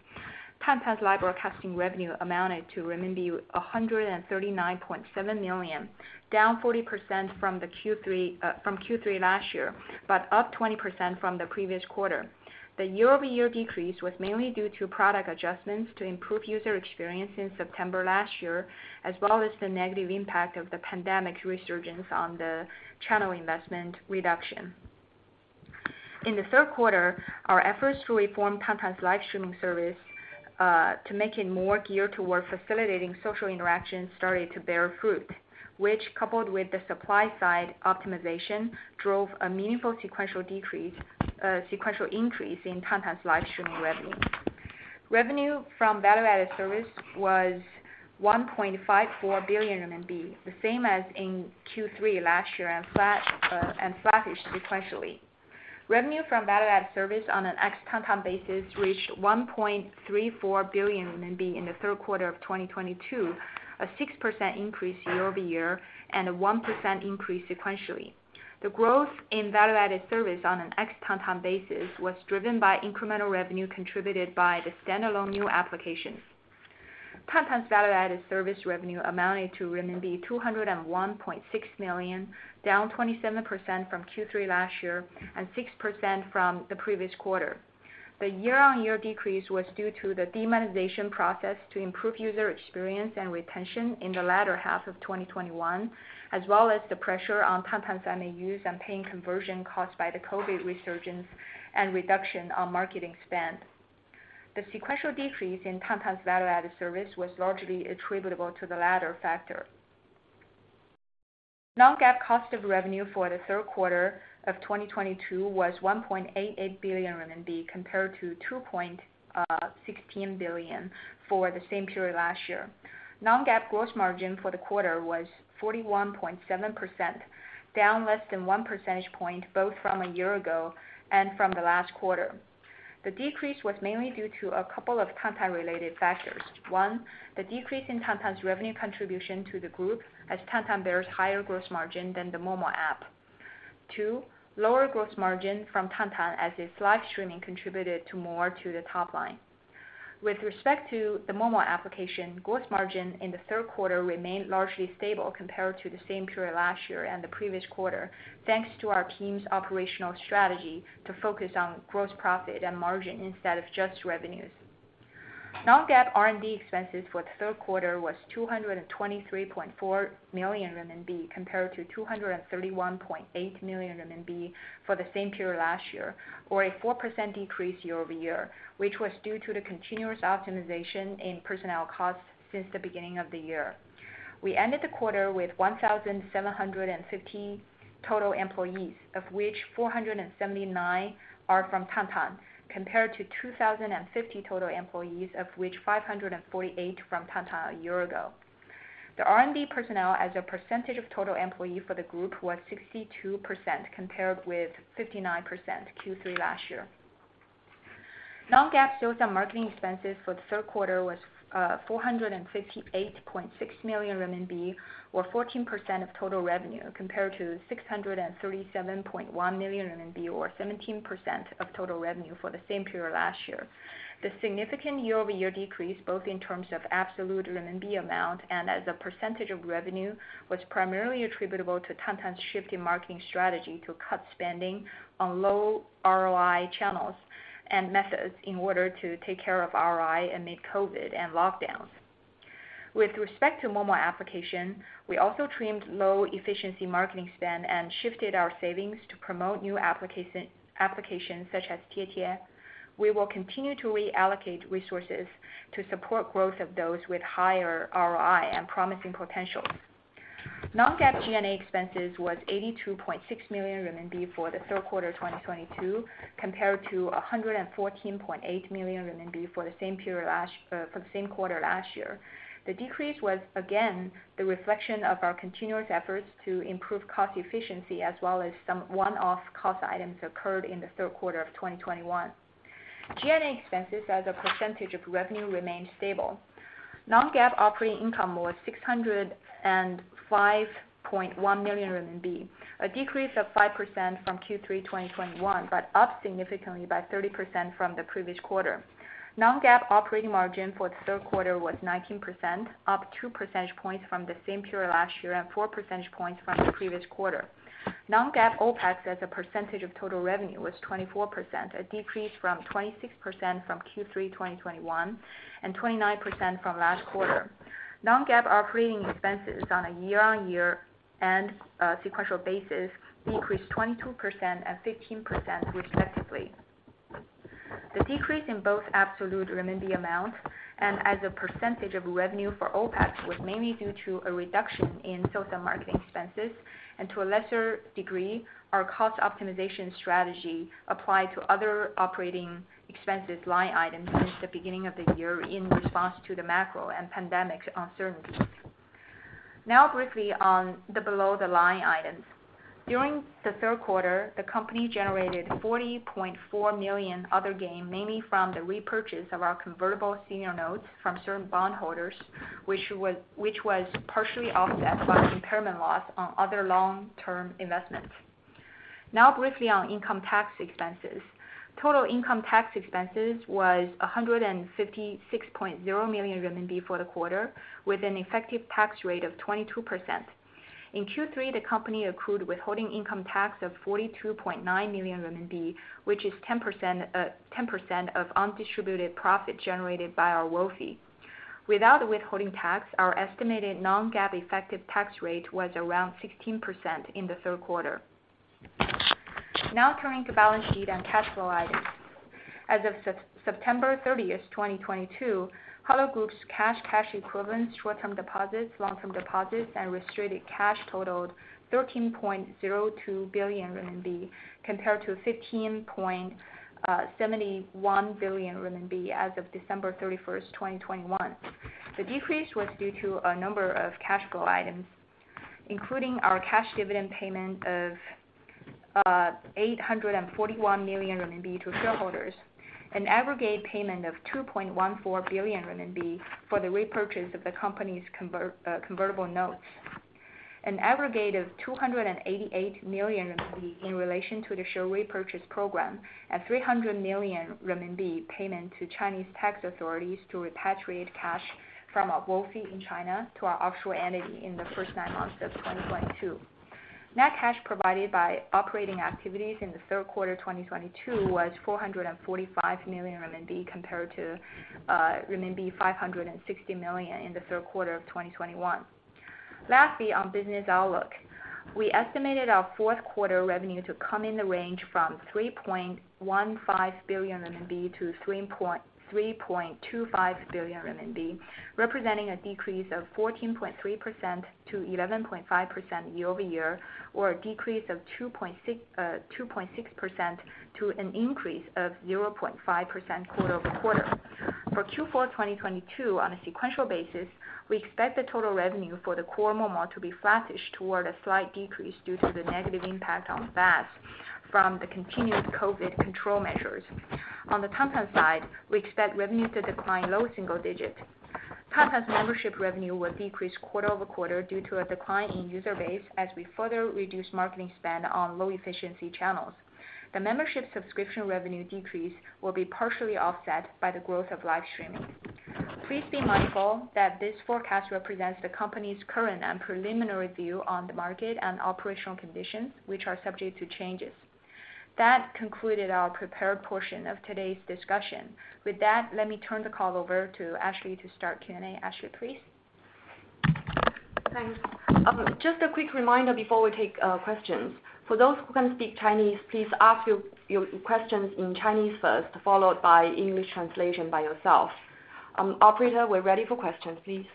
Tantan's live broadcasting revenue amounted to renminbi 139.7 million, down 40% from Q3 last year, but up 20% from the previous quarter. The year-over-year decrease was mainly due to product adjustments to improve user experience in September last year, as well as the negative impact of the pandemic resurgence on the channel investment reduction. In the third quarter, our efforts to reform Tantan's live streaming service to make it more geared toward facilitating social interactions started to bear fruit, which, coupled with the supply side optimization, drove a meaningful sequential decrease, sequential increase in Tantan's live streaming revenue. Revenue from value-added service was 1.54 billion RMB, the same as in Q3 last year and flattish sequentially. Revenue from value-added service on an ex-Tantan basis reached 1.34 billion in the third quarter of 2022, a 6% increase year-over-year and a 1% increase sequentially. The growth in value-added service on an ex-Tantan basis was driven by incremental revenue contributed by the standalone new applications. Tantan's value-added service revenue amounted to renminbi 201.6 million, down 27% from Q3 last year and 6% from the previous quarter. The year-on-year decrease was due to the demonetization process to improve user experience and retention in the latter half of 2021, as well as the pressure on Tantan's MAUs and paying conversion caused by the COVID resurgence and reduction on marketing spend. The sequential decrease in Tantan's value-added service was largely attributable to the latter factor. Non-GAAP cost of revenue for the third quarter of 2022 was 1.88 billion RMB, compared to 2.16 billion for the same period last year. Non-GAAP gross margin for the quarter was 41.7%, down less than 1 percentage point, both from a year ago and from the last quarter. The decrease was mainly due to a couple of Tantan related factors. One, the decrease in Tantan's revenue contribution to the group as Tantan bears higher gross margin than the Momo app. Two, lower gross margin from Tantan as its live streaming contributed to more to the top line. With respect to the Momo application, gross margin in the third quarter remained largely stable compared to the same period last year and the previous quarter, thanks to our team's operational strategy to focus on gross profit and margin instead of just revenues. Non-GAAP R&D expenses for the third quarter was 223.4 million RMB, compared to 231.8 million RMB for the same period last year, or a 4% decrease year-over-year, which was due to the continuous optimization in personnel costs since the beginning of the year. We ended the quarter with 1,750 total employees, of which 479 are from Tantan, compared to 2,050 total employees, of which 548 from Tantan a year ago. The R&D personnel as a percentage of total employee for the group was 62% compared with 59% Q3 last year. Non-GAAP sales and marketing expenses for the third quarter was 458.6 million RMB or 14% of total revenue, compared to 637.1 million RMB or 17% of total revenue for the same period last year. The significant year-over-year decrease, both in terms of absolute renminbi amount and as a percentage of revenue, was primarily attributable to Tantan's shift in marketing strategy to cut spending on low ROI channels and methods in order to take care of ROI amid COVID and lockdowns. With respect to Momo application, we also trimmed low efficiency marketing spend and shifted our savings to promote new applications such as TieTie. We will continue to reallocate resources to support growth of those with higher ROI and promising potentials. Non-GAAP G&A expenses was 82.6 million RMB for Q3 2022, compared to 114.8 million RMB for the same quarter last year. The decrease was again the reflection of our continuous efforts to improve cost efficiency as well as some one-off cost items occurred in Q3 2021. G&A expenses as a percentage of revenue remained stable. Non-GAAP operating income was 605.1 million RMB, a decrease of 5% from Q3 2021, up significantly by 30% from the previous quarter. Non-GAAP operating margin for Q3 was 19%, up 2 percentage points from the same period last year and 4 percentage points from the previous quarter. Non-GAAP OpEx as a percentage of total revenue was 24%, a decrease from 26% from Q3 2021, and 29% from last quarter. Non-GAAP operating expenses on a year-on-year and sequential basis decreased 22% and 15% respectively. The decrease in both absolute renminbi amount and as a percentage of revenue for OpEx was mainly due to a reduction in sales and marketing expenses, and to a lesser degree, our cost optimization strategy applied to other operating expenses line items since the beginning of the year in response to the macro and pandemic uncertainties. Now briefly on the below-the-line items. During the third quarter, the company generated 40.4 million other gain, mainly from the repurchase of our convertible senior notes from certain bondholders, which was partially offset by impairment loss on other long-term investments. Now briefly on income tax expenses. Total income tax expenses was 156.0 million renminbi for the quarter, with an effective tax rate of 22%. In Q3, the company accrued withholding income tax of 42.9 million RMB, which is 10% of undistributed profit generated by our WFOE. Without the withholding tax, our estimated Non-GAAP effective tax rate was around 16% in the third quarter. Now turning to balance sheet and cash flow items. As of September 30, 2022, Hello Group's cash equivalents, short-term deposits, long-term deposits, and restricted cash totaled 13.02 billion RMB compared to 15.71 billion RMB as of December 31, 2021. The decrease was due to a number of cash flow items, including our cash dividend payment of 841 million RMB to shareholders, an aggregate payment of 2.14 billion RMB for the repurchase of the company's convertible notes, an aggregate of 288 million RMB in relation to the share repurchase program, and 300 million RMB payment to Chinese tax authorities to repatriate cash from our WFOE in China to our offshore entity in the first nine months of 2022. Net cash provided by operating activities in the third quarter 2022 was 445 million RMB compared to RMB 560 million in the third quarter of 2021. Lastly, on business outlook. We estimated our fourth quarter revenue to come in the range from 3.15 billion RMB to 3.25 billion RMB, representing a decrease of 14.3%-11.5% year-over-year, or a decrease of 2.6% to an increase of 0.5% quarter-over-quarter. For Q4 2022, on a sequential basis, we expect the total revenue for the core Momo to be flattish toward a slight decrease due to the negative impact on FAAS from the continuous COVID control measures. On the Tantan side, we expect revenue to decline low single digits. Tantan's membership revenue will decrease quarter-over-quarter due to a decline in user base as we further reduce marketing spend on low efficiency channels. The membership subscription revenue decrease will be partially offset by the growth of live streaming. Please be mindful that this forecast represents the company's current and preliminary view on the market and operational conditions, which are subject to changes. That concluded our prepared portion of today's discussion. With that, let me turn the call over to Ashley to start Q&A. Ashley, please. Thanks. Just a quick reminder before we take questions. For those who can speak Chinese, please ask your questions in Chinese first, followed by English translation by yourself. Operator, we're ready for questions, please.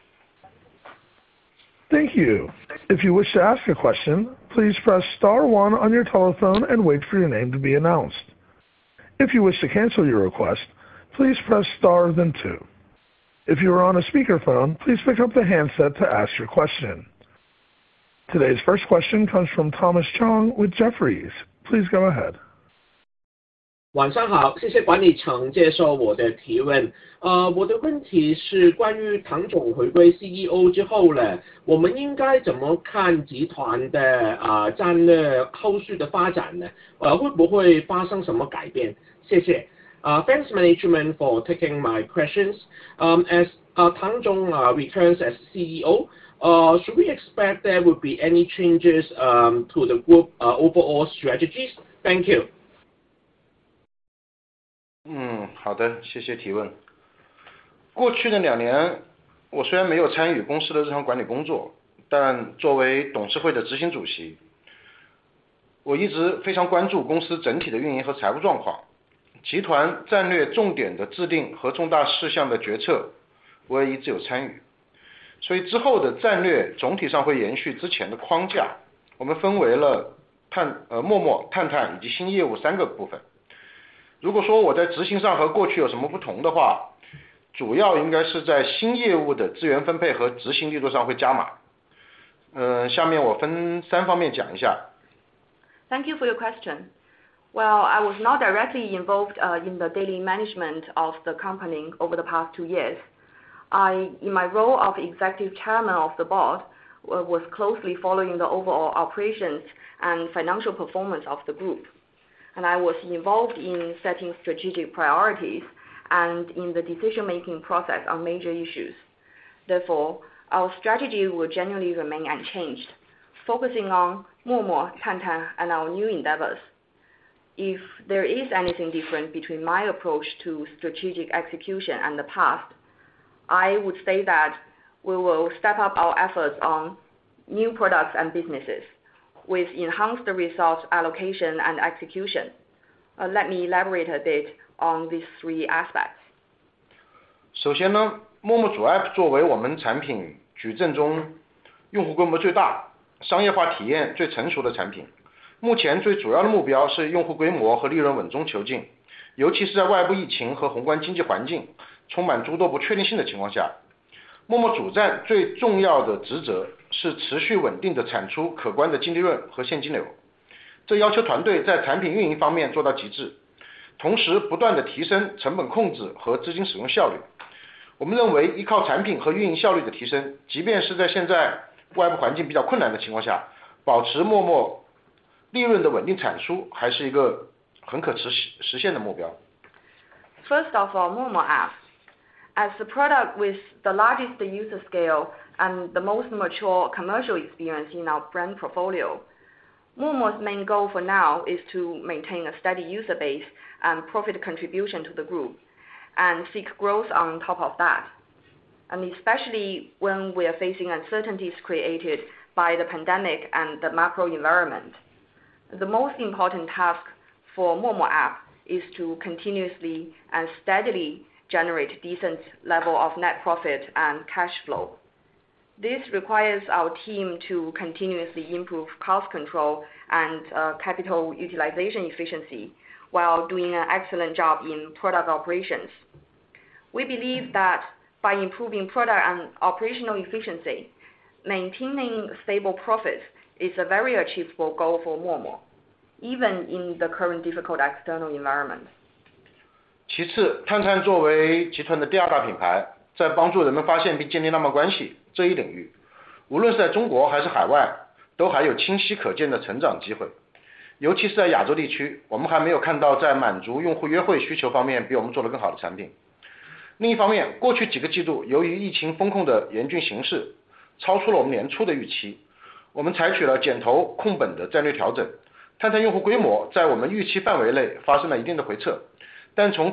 Thank you. If you wish to ask a question, please press star one on your telephone and wait for your name to be announced. If you wish to cancel your request, please press star then two. If you are on a speakerphone, please pick up the handset to ask your question. Today's first question comes from Thomas Chong with Jefferies. Please go ahead. Thanks management for taking my questions. As Tang Yan returns as CEO, should we expect there would be any changes to the group overall strategies? Thank you. Thank you for your question. While I was not directly involved in the daily management of the company over the past two years, I, in my role of Executive Chairman of the Board, was closely following the overall operations and financial performance of the group. I was involved in setting strategic priorities and in the decision-making process on major issues. Therefore, our strategy will generally remain unchanged, focusing on Momo, Tantan, and our new endeavors. If there is anything different between my approach to strategic execution and the past, I would say that we will step up our efforts on new products and businesses with enhanced results, allocation and execution. Let me elaborate a bit on these three aspects. First off for Momo app. As the product with the largest user scale and the most mature commercial experience in our brand portfolio, Momo's main goal for now is to maintain a steady user base and profit contribution to the group and seek growth on top of that. Especially when we are facing uncertainties created by the pandemic and the macro environment, the most important task for Momo app is to continuously and steadily generate decent level of net profit and cash flow. This requires our team to continuously improve cost control and capital utilization efficiency while doing an excellent job in product operations. We believe that by improving product and operational efficiency, maintaining stable profit is a very achievable goal for Momo, even in the current difficult external environment. Secondly, Tantan.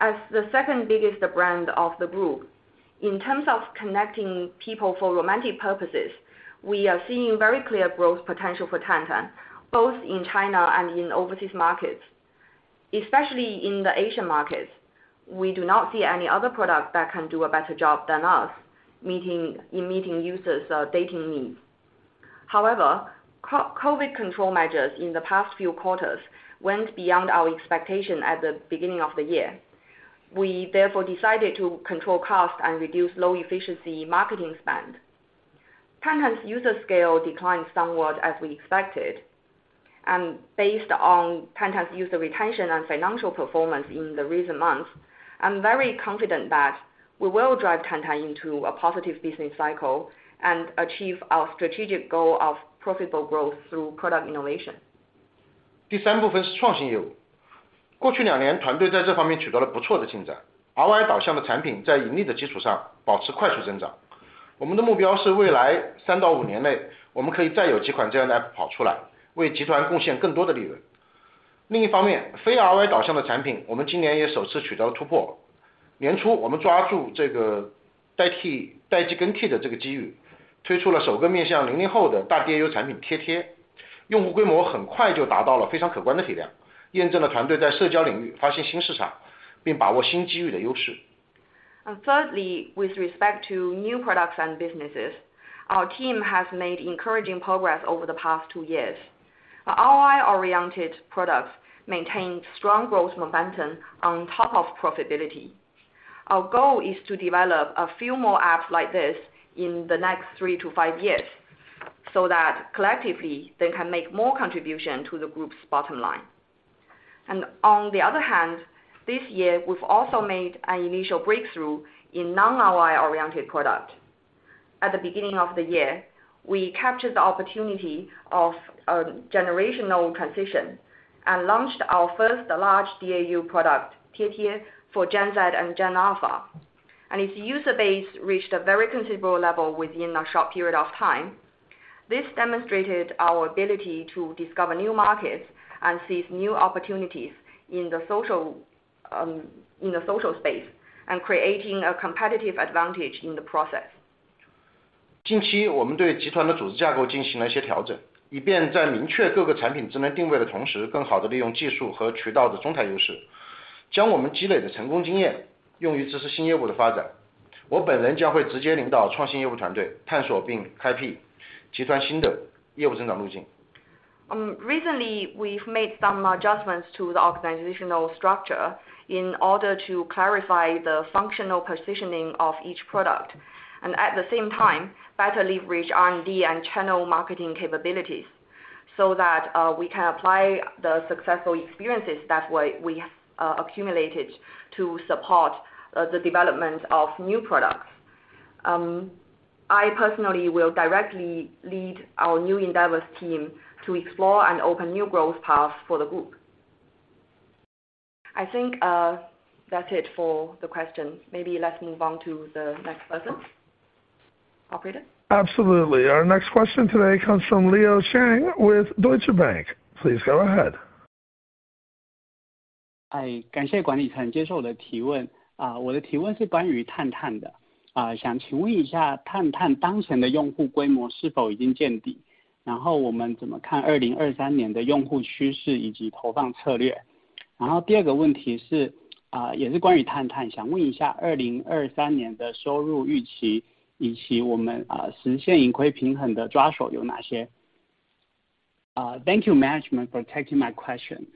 As the second biggest brand of the group, in terms of connecting people for romantic purposes, we are seeing very clear growth potential for Tantan, both in China and in overseas markets. Especially in the Asian markets, we do not see any other product that can do a better job than us in meeting users', dating needs. However, COVID control measures in the past few quarters went beyond our expectation at the beginning of the year. We therefore decided to control cost and reduce low efficiency marketing spend. Tantan's user scale declined somewhat as we expected, and based on Tantan's user retention and financial performance in the recent months, I'm very confident that we will drive Tantan into a positive business cycle and achieve our strategic goal of profitable growth through product innovation. 第三部分是创新业务。过去两 年， 团队在这方面取得了不错的进展。RY 导向的产品在盈利的基础上保持快速增长。我们的目标是未来三到五年 内， 我们可以再有几款这样的 app 跑出 来， 为集团贡献更多的利润。另一方 面， 非 RY 导向的产 品， 我们今年也首次取得了突破。年初我们抓住这个代替代际更替的这个机 遇， 推出了首个面向零零后的大 DAU 产品贴 贴， 用户规模很快就达到了非常可观的体 量， 验证了团队在社交领域发现新市场并把握新机遇的优势。Thirdly, with respect to new products and businesses, our team has made encouraging progress over the past 2 years. Our ROI-oriented products maintained strong growth momentum on top of profitability. Our goal is to develop a few more apps like this in the next 3-5 years so that collectively they can make more contribution to the group's bottom line. On the other hand, this year we've also made an initial breakthrough in non-ROI-oriented product. At the beginning of the year, we captured the opportunity of a generational transition and launched our first large DAU product, TieTie, for Gen Z and Gen Alpha, and its user base reached a very considerable level within a short period of time. This demonstrated our ability to discover new markets and seize new opportunities in the social space and creating a competitive advantage in the process. 近期我们对集团的组织架构进行了一些调 整， 以便在明确各个产品职能定位的同 时， 更好地利用技术和渠道的综合优 势， 将我们积累的成功经验用于支持新业务的发展。我本人将会直接领导创新业务团 队， 探索并开辟集团新的业务增长路径。Recently we've made some adjustments to the organizational structure in order to clarify the functional positioning of each product and at the same time better leverage R&D and channel marketing capabilities so that we can apply the successful experiences that we accumulated to support the development of new products. I personally will directly lead our new endeavors team to explore and open new growth paths for the group. I think that's it for the questions. Maybe let's move on to the next person. Operator? Absolutely. Our next question today comes from Leo Chen with Deutsche Bank. Please go ahead. 感谢管理层接受我的提问。我的提问是关于Tantan的，想请问一下Tantan当前的用户规模是否已经见底？我们怎么看2023年的用户趋势以及投放策略。第二个问题是，也是关于Tantan，想问一下2023年的收入预期，以及我们实现盈亏平衡的抓手有哪一些。Thank you management for taking my question.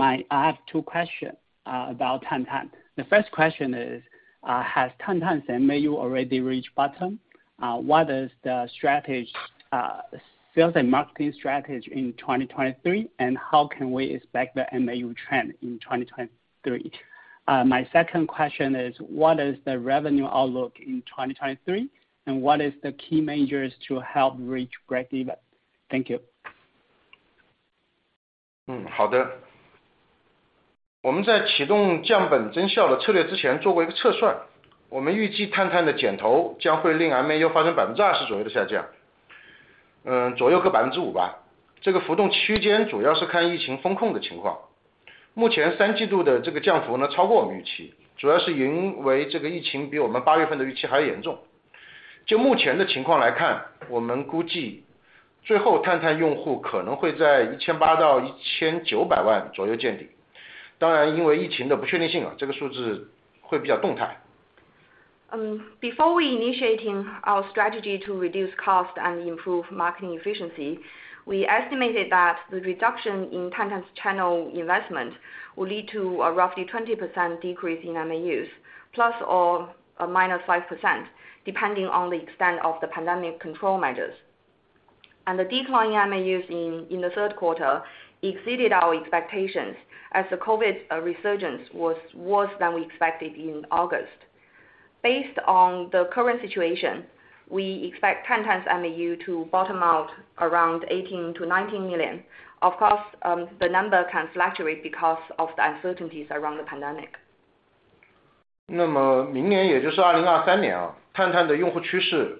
I have two questions about Tantan. The first question is, has Tantan's MAU already reached bottom? What is the strategy, sales and marketing strategy in 2023, and how can we expect the MAU trend in 2023? My second question is what is the revenue outlook in 2023 and what is the key measures to help reach breakeven? Thank you. 好的。我们在启动降本增效的策略之前做过一个 测算，我们 预计 Tantan 的减投将会令 MAU 发生 20% 左右的 下降，左右 个 5% 吧。这个浮动区间主要是看疫情封控的情况。目前 Q3 的这个降幅 呢，超过 我们 预期，主要 是因为这个疫情比我们 August 份的预期还要严重。就目前的情况 来看，我们 估计最后 Tantan 用户可能会在 CNY 18 million-CNY 19 million 左右见底。当然因为疫情的 不确定性，这个 数字会比较动态。Before we initiating our strategy to reduce cost and improve marketing efficiency, we estimated that the reduction in Tantan's channel investment will lead to a roughly 20% decrease in MAUs, plus or minus 5%, depending on the extent of the pandemic control measures. The decline in MAUs in the third quarter exceeded our expectations as the COVID resurgence was worse than we expected in August. Based on the current situation, we expect Tantan's MAU to bottom out around 18 million-19 million. Of course, the number can fluctuate because of the uncertainties around the pandemic. 明年也就是2023 年， Tantan 的用户趋势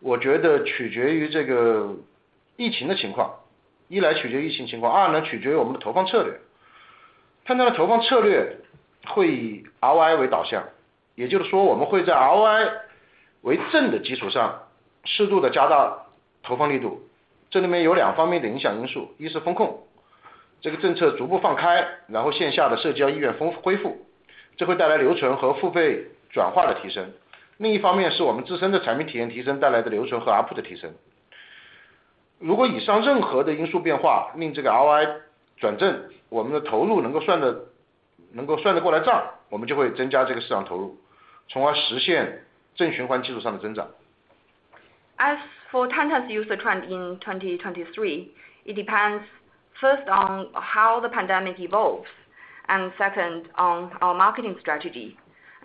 我觉得取决于这个疫情的情况。一来取决于疫情情 况， 二呢取决于我们的投放策略。Tantan 的投放策略会以 ROI 为导 向， 也就是说我们会在 ROI 为正的基础上适度地加大投放力度。这里面有两方面的影响因 素， 一是封控。这个政策逐步放 开， 然后线下的社交恢 复， 这会带来留存和付费转化的提升。另一方面是我们自身的产品体验提升带来的留存和 ARPU 的提升。如果以上任何的因素变 化， 令这个 ROI 转 正， 我们的投入能够算得过来 账， 我们就会增加这个市场投 入， 从而实现正循环基础上的增长。As for Tantan's user trend in 2023, it depends first on how the pandemic evolves, second, on our marketing strategy.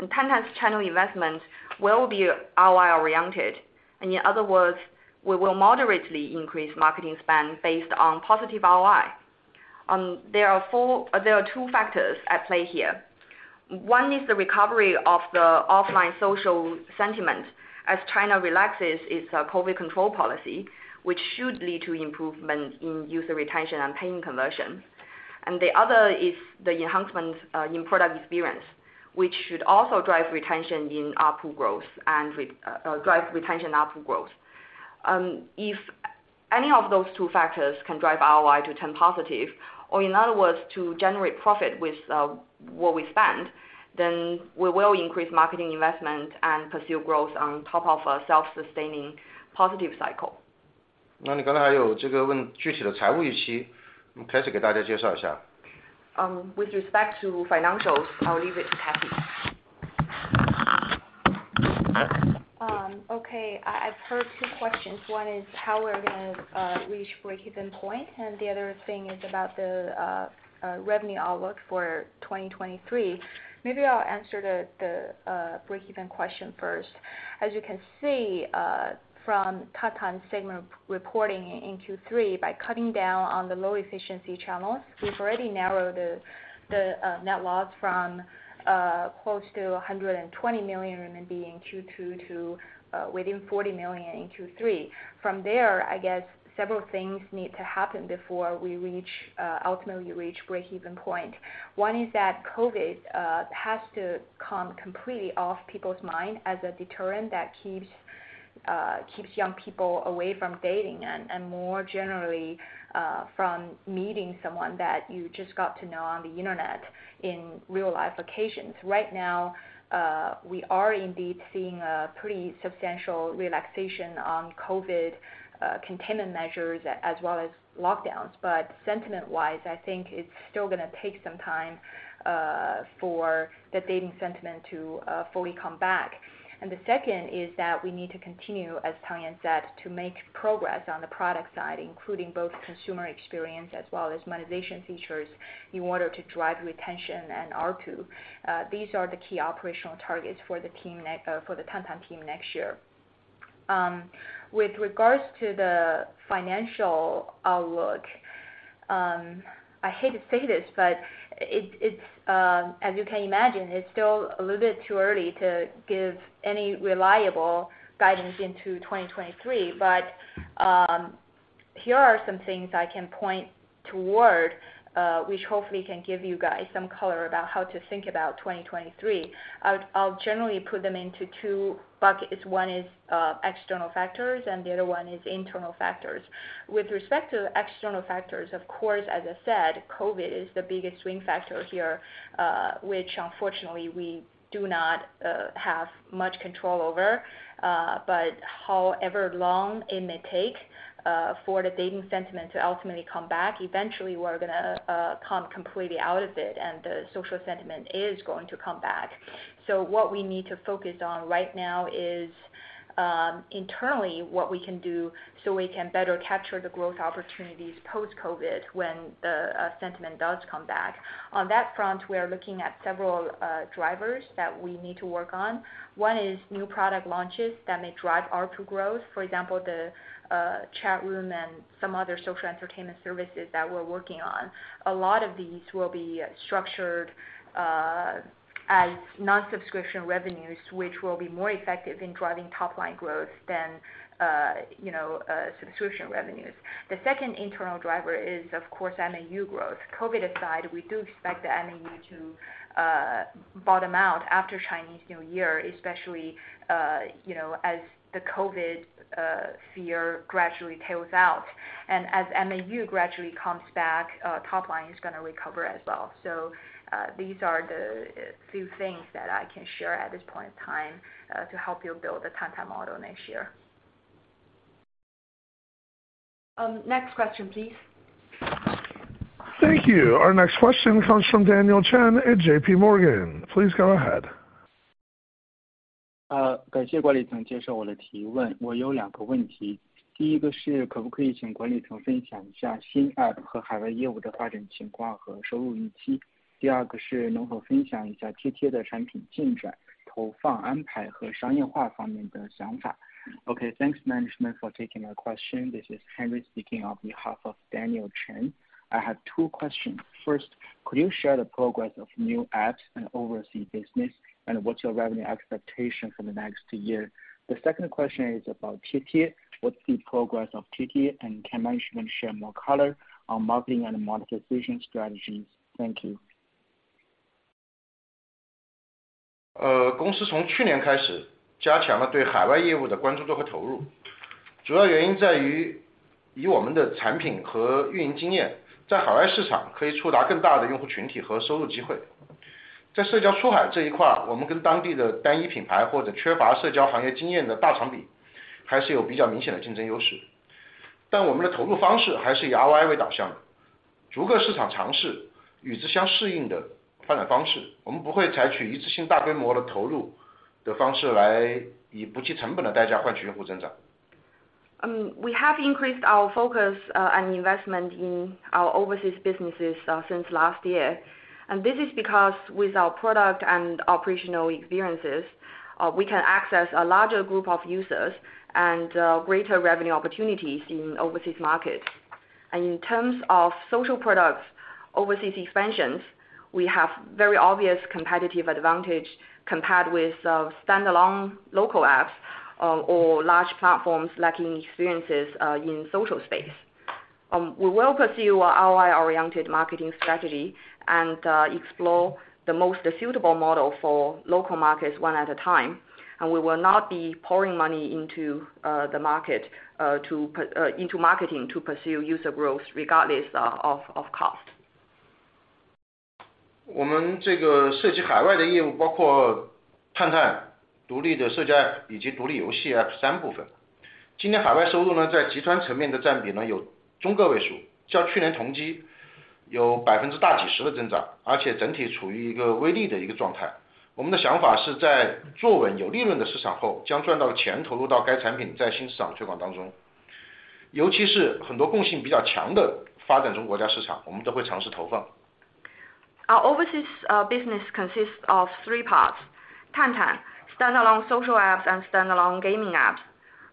Tantan's channel investment will be ROI oriented. In other words, we will moderately increase marketing spend based on positive ROI. There are 2 factors at play here. One is the recovery of the offline social sentiment as China relaxes its COVID control policy, which should lead to improvement in user retention and paying conversion. The other is the enhancement in product experience, which should also drive retention ARPU growth. If any of those 2 factors can drive ROI to turn positive, or in other words, to generate profit with what we spend, then we will increase marketing investment and pursue growth on top of a self-sustaining positive cycle. 那你刚才还有这个问具体的财务预 期， 开始给大家介绍一下。With respect to financials, I'll leave it to Cathy. Okay. I've heard two questions. One is how we're gonna reach breakeven point, and the other thing is about the revenue outlook for 2023. Maybe I'll answer the breakeven question first. As you can see from Tantan's segment reporting in Q3, by cutting down on the low efficiency channels, we've already narrowed the net loss from close to 120 million RMB in Q2 to within 40 million in Q3. From there, I guess several things need to happen before we reach ultimately reach breakeven point. One is that COVID has to calm completely off people's mind as a deterrent that keeps young people away from dating and more generally from meeting someone that you just got to know on the internet in real life occasions. Right now, we are indeed seeing a pretty substantial relaxation on COVID containment measures as well as lockdowns. Sentiment-wise, I think it's still gonna take some time for the dating sentiment to fully come back. The second is that we need to continue, as Tangyan said, to make progress on the product side, including both consumer experience as well as monetization features in order to drive retention and ARPU. These are the key operational targets for the Tantan team next year. With regards to the financial outlook, I hate to say this, but it's, as you can imagine, it's still a little bit too early to give any reliable guidance into 2023. Here are some things I can point toward which hopefully can give you guys some color about how to think about 2023. I'll generally put them into two buckets. One is external factors and the other one is internal factors. With respect to the external factors, of course, as I said, COVID is the biggest swing factor here, which unfortunately we do not have much control over. However long it may take for the dating sentiment to ultimately come back, eventually we're gonna come completely out of it, and the social sentiment is going to come back. What we need to focus on right now is internally, what we can do so we can better capture the growth opportunities post-COVID when the sentiment does come back. On that front, we are looking at several drivers that we need to work on. One is new product launches that may drive ARPU growth. For example, the chat room and some other social entertainment services that we're working on. A lot of these will be structured as non-subscription revenues, which will be more effective in driving top-line growth than, you know, subscription revenues. The second internal driver is, of course, MAU growth. COVID aside, we do expect the MAU to bottom out after Chinese New Year, especially, you know, as the COVID fear gradually tails out. As MAU gradually comes back, top line is gonna recover as well. These are the few things that I can share at this point in time to help you build the Tantan model next year. Next question please. Thank you. Our next question comes from Daniel Chen at JP Morgan. Please go ahead. 感谢管理层接受我的提问。我有两个问题。第一个是可不可以请管理层分享一下新 App 和海外业务的发展情况和收入预期。第二个是能否分享一下贴贴的产品进展、投放安排和商业化方面的想法。Thanks, management for taking my question. This is Henry speaking on behalf of Daniel Chen. I have two questions. First, could you share the progress of new apps and overseas business, and what's your revenue expectation for the next year? The second question is about TieTie. What's the progress of TieTie and can management share more color on marketing and monetization strategies? Thank you. 公司从去年开始加强了对海外业务的关注度和投入主要原因在于以我们的产品和运营经验在海外市场可以触达更大的用户群体和收入机 会. 在社交出海这一块我们跟当地的单一品牌或者缺乏社交行业经验的大厂比还是有比较明显的竞争优 势. 我们的投入方式还是以 ROI 为导向的逐个市场尝试与之相适应的发展方 式. 我们不会采取一次性大规模的投入的方式来以不计成本的代价换取用户增 长. We have increased our focus and investment in our overseas businesses since last year. This is because with our product and operational experiences, we can access a larger group of users and greater revenue opportunities in overseas markets. In terms of social products, overseas expansions, we have very obvious competitive advantage compared with standalone local apps or large platforms lacking experiences in social space. We will pursue our ROI oriented marketing strategy and explore the most suitable model for local markets one at a time. We will not be pouring money into the market to into marketing to pursue user growth regardless of cost. 我们这个涉及海外的业 务， 包括探探、独立的社交 app 以及独立游戏 app 三部分。今年海外收入 呢， 在集团层面的占比 呢， 有中个位 数， 较去年同期有百分之大几十的增 长， 而且整体处于一个微利的一个状态。我们的想法是在坐稳有利润的市场 后， 将赚到的钱投入到该产品在新市场推广当 中， 尤其是很多共性比较强的发展中国家市 场， 我们都会尝试投放。Our overseas business consists of three parts: Tantan, standalone social apps and standalone gaming apps.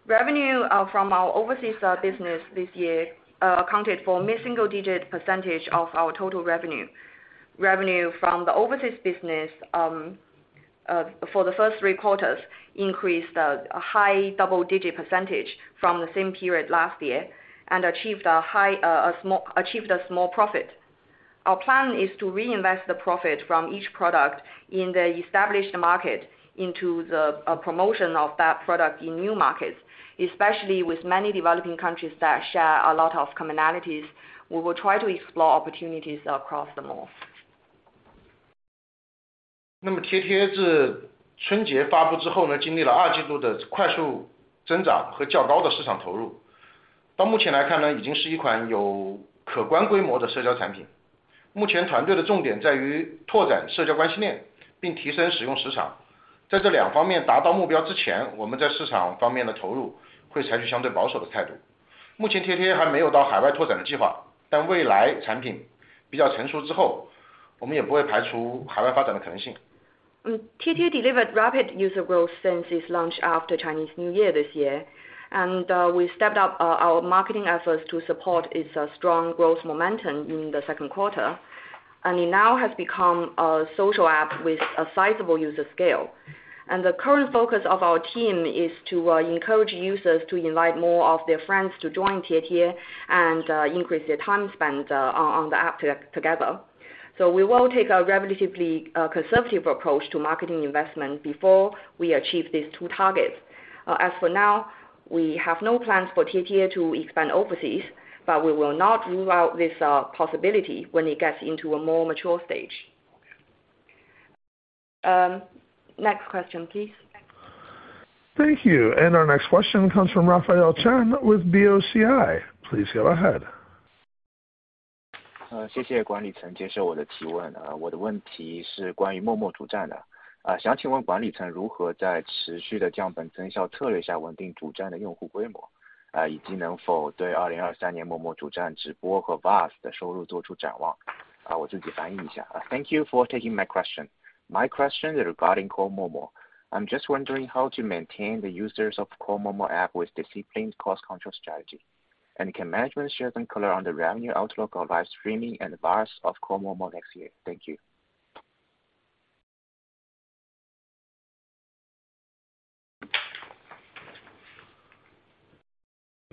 Revenue from our overseas business this year accounted for mid-single digit % of our total revenue. Revenue from the overseas business for the first three quarters increased a high double-digit % from the same period last year and achieved a small profit. Our plan is to reinvest the profit from each product in the established market into the promotion of that product in new markets, especially with many developing countries that share a lot of commonalities. We will try to explore opportunities across them all. 那么 TT 自春节发布之后 呢， 经历了二季度的快速增长和较高的市场投入。到目前来看 呢， 已经是一款有可观规模的社交产品。目前团队的重点在于拓展社交关系 链， 并提升使用时长。在这两方面达到目标之 前， 我们在市场方面的投入会采取相对保守的态度。目前 TT 还没有到海外拓展的计 划， 但未来产品比较成熟之 后， 我们也不会排除海外发展的可能性。TT delivered rapid user growth since its launch after Chinese New Year this year, we stepped up our marketing efforts to support its strong growth momentum in the second quarter. It now has become a social app with a sizable user scale. The current focus of our team is to encourage users to invite more of their friends to join TT and increase their time spent on the app together. We will take a relatively conservative approach to marketing investment before we achieve these two targets. As for now, we have no plans for TT to expand overseas, we will not rule out this possibility when it gets into a more mature stage. Next question, please. Thank you. Our next question comes from Raphael Chen with BOCI. Please go ahead. 谢谢管理层接受我的提问。我的问题是关于 Momo 主站的。想请问管理层如何在持续的降本增效策略下稳定主站的用户规 模， 以及能否对2023年 Momo 主站直播和 VAS 的收入做出展 望？ 我自己翻译一下。Thank you for taking my question. My question regarding Momo. I'm just wondering how to maintain the users of Momo app with disciplined cost control strategy. Can management share some color on the revenue outlook of live streaming and VAS of Momo next year? Thank you.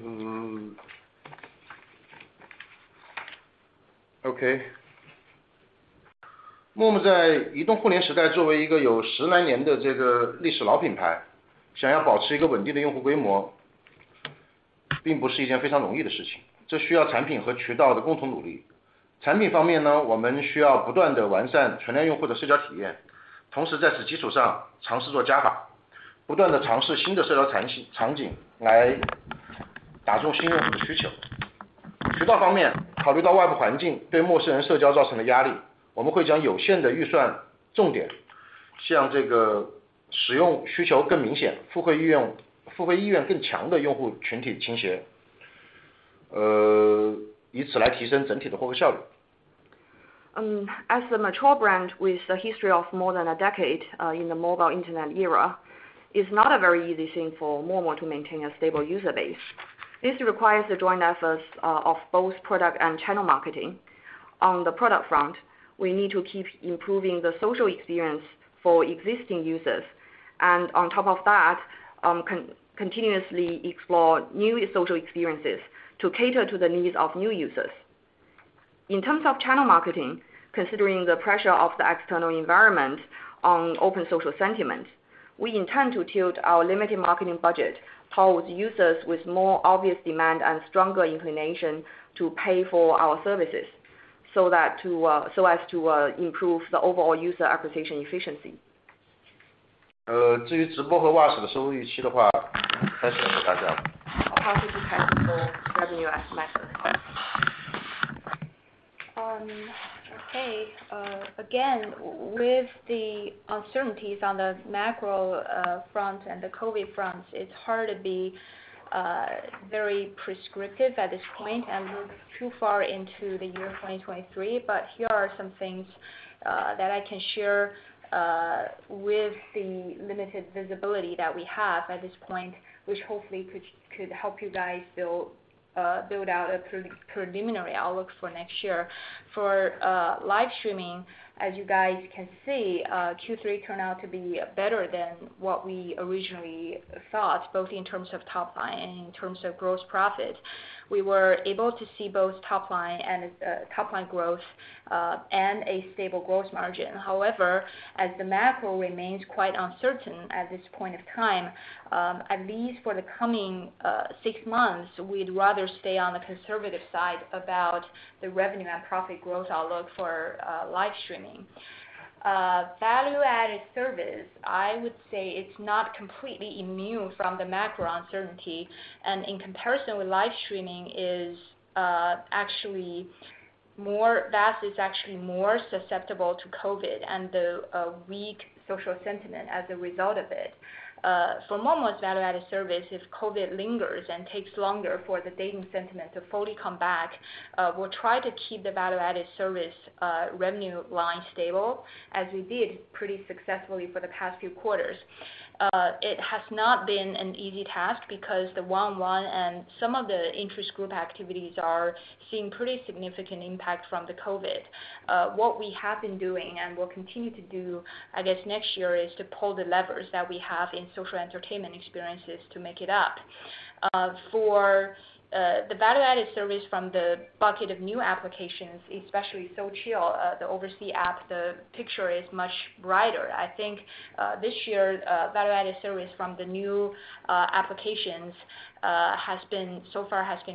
嗯 OK 陌陌在移动互联网时代作为一个有十来年的这个历史老品 牌， 想要保持一个稳定的用户规模并不是一件非常容易的事 情， 这需要产品和渠道的共同努力。产品方面 呢， 我们需要不断地完善存量用户的社交体 验， 同时在此基础上尝试做加 法， 不断地尝试新的社交场 景， 场景来打中心用户的需求。渠道方 面， 考虑到外部环境对陌生人社交造成的压力，我们会将有限的预算重点向这个使用需求更明 显， 复购意 愿， 复购意愿更强的用户群体倾 斜， 呃， 以此来提升整体的获客效率。As a mature brand with a history of more than a decade, in the mobile Internet era, it's not a very easy thing for Momo to maintain a stable user base. This requires the joint efforts of both product and channel marketing. On the product front, we need to keep improving the social experience for existing users. On top of that, continuously explore new social experiences to cater to the needs of new users. In terms of channel marketing, considering the pressure of the external environment on open social sentiment, we intend to tilt our limited marketing budget towards users with more obvious demand and stronger inclination to pay for our services so as to improve the overall user acquisition efficiency. How could you characterize the revenue estimate for next year? Again, with the uncertainties on the macro front and the COVID front, it's hard to be very prescriptive at this point and look too far into the year 2023. Here are some things that I can share with the limited visibility that we have at this point, which hopefully could help you guys build out a preliminary outlook for next year. For live streaming, as you guys can see, Q3 turned out to be better than what we originally thought, both in terms of top line and in terms of gross profit. We were able to see both top line growth and a stable gross margin. As the macro remains quite uncertain at this point of time, at least for the coming six months, we'd rather stay on the conservative side about the revenue and profit growth outlook for live streaming. Value-added service, I would say it's not completely immune from the macro uncertainty, and in comparison with live streaming VAS is actually more susceptible to COVID and the weak social sentiment as a result of it. For Momo's value-added service, if COVID lingers and takes longer for the dating sentiment to fully come back, we'll try to keep the value-added service revenue line stable as we did pretty successfully for the past few quarters. It has not been an easy task because the one-on-one and some of the interest group activities are seeing pretty significant impact from the COVID. What we have been doing and will continue to do, I guess, next year, is to pull the levers that we have in social entertainment experiences to make it up. For the value-added service from the bucket of new applications, especially SoulChill, the oversea app, the picture is much brighter. I think this year, value-added service from the new applications has been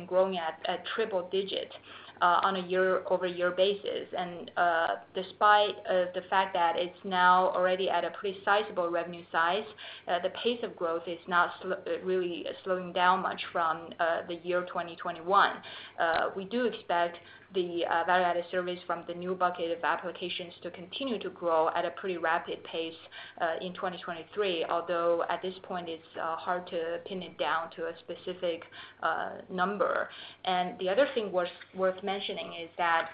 growing at a triple digit on a year-over-year basis. Despite the fact that it's now already at a pretty sizable revenue size, the pace of growth is not really slowing down much from the year 2021. We do expect the value-added service from the new bucket of applications to continue to grow at a pretty rapid pace in 2023. Although, at this point it's hard to pin it down to a specific number. The other thing worth mentioning is that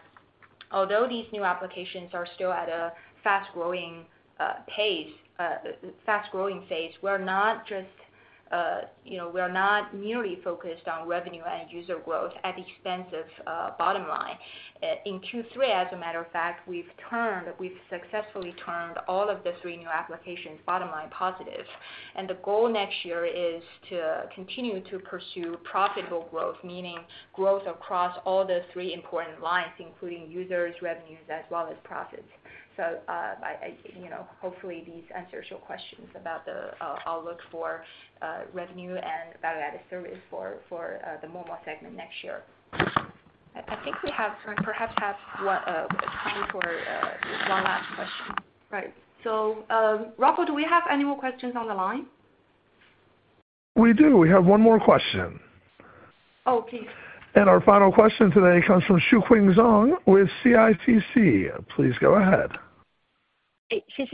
although these new applications are still at a fast-growing pace, fast-growing phase, we're not just, you know, we're not merely focused on revenue and user growth at the expense of bottom line. In Q3, as a matter of fact, we've successfully turned all of the three new applications bottom line positive. The goal next year is to continue to pursue profitable growth, meaning growth across all the three important lines, including users, revenues, as well as profits. I, you know, hopefully this answers your questions about the outlook for revenue and value-added service for the Momo segment next year. I think we have, perhaps, what, time for one last question. Right. Rocco, do we have any more questions on the line? We do. We have one more question. Oh, please. Our final question today comes from Xueqing Zhang with CITIC. Please go ahead. Thanks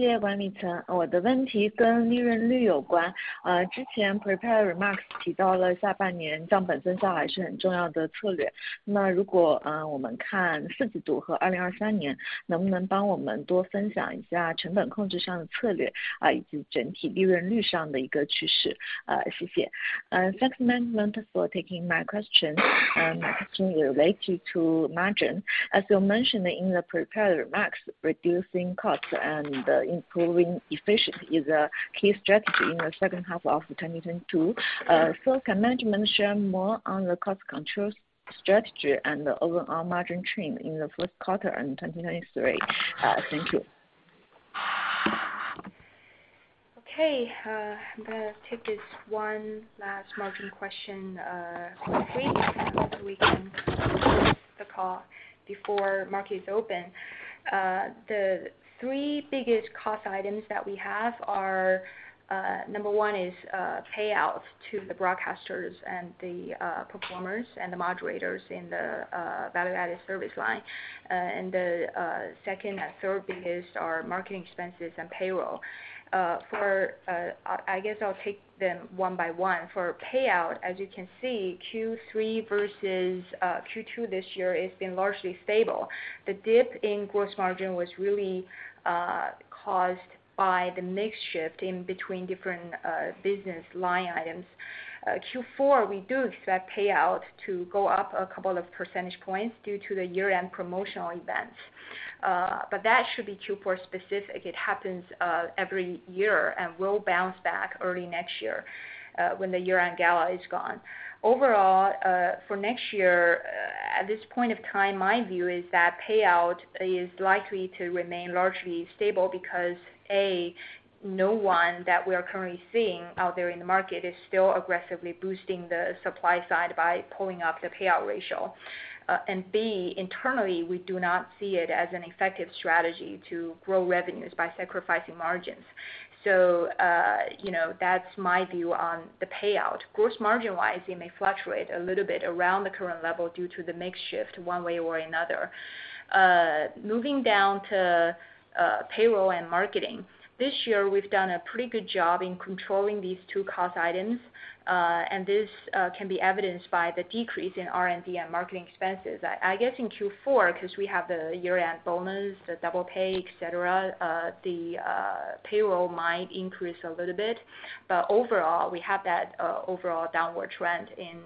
management for taking my question. My question related to margin. As you mentioned in the prepared remarks, reducing costs and improving efficiency is a key strategy in the second half of 2022. Can management share more on the cost control strategy and the overall margin trend in the 1Q in 2023? Thank you. Okay. I'm gonna take this one last margin question quickly, so we can end the call before market is open. The three biggest cost items that we have are, number one is payouts to the broadcasters and the performers and the moderators in the value-added service line. The second and third biggest are marketing expenses and payroll. For, I guess I'll take them one by one. For payout, as you can see, Q3 versus Q2 this year has been largely stable. The dip in gross margin was really caused by the mix shift in between different business line items. Q4, we do expect payout to go up a couple of percentage points due to the year-end promotional events. That should be Q4 specific. It happens every year and will bounce back early next year when the year-end gala is gone. For next year at this point of time, my view is that payout is likely to remain largely stable because, A, no one that we are currently seeing out there in the market is still aggressively boosting the supply side by pulling up the payout ratio. And B, internally, we do not see it as an effective strategy to grow revenues by sacrificing margins. You know, that's my view on the payout. Gross margin-wise, it may fluctuate a little bit around the current level due to the mix shift one way or another. Moving down to payroll and marketing. This year we've done a pretty good job in controlling these two cost items. This can be evidenced by the decrease in R&D and marketing expenses. I guess in Q4, because we have the year-end bonus, the double pay, et cetera, the payroll might increase a little bit, but overall, we have that overall downward trend in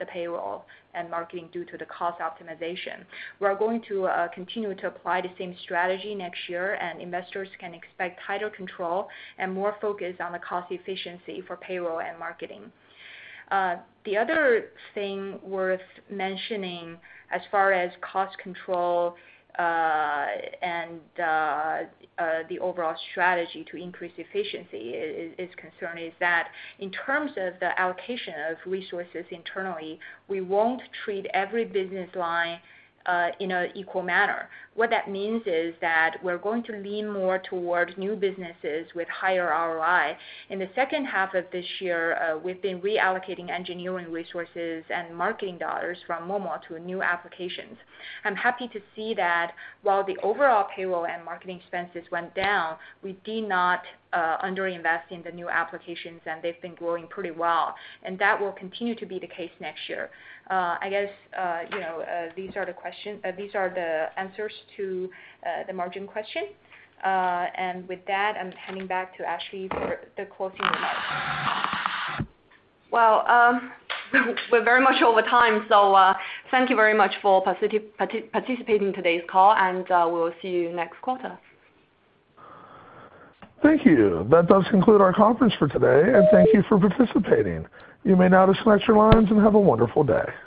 the payroll and marketing due to the cost optimization. We are going to continue to apply the same strategy next year, and investors can expect tighter control and more focus on the cost efficiency for payroll and marketing. The other thing worth mentioning as far as cost control and the overall strategy to increase efficiency is concerned, is that in terms of the allocation of resources internally, we won't treat every business line in an equal manner. What that means is that we're going to lean more towards new businesses with higher ROI. In the second half of this year, we've been reallocating engineering resources and marketing dollars from Momo to new applications. I'm happy to see that while the overall payroll and marketing expenses went down, we did not under-invest in the new applications, and they've been growing pretty well. That will continue to be the case next year. I guess, you know, these are the answers to the margin question. With that, I'm handing back to Ashley for the closing remarks. Well, we're very much over time, thank you very much for participating in today's call, we'll see you next quarter. Thank you. That does conclude our conference for today, and thank you for participating. You may now disconnect your lines, and have a wonderful day.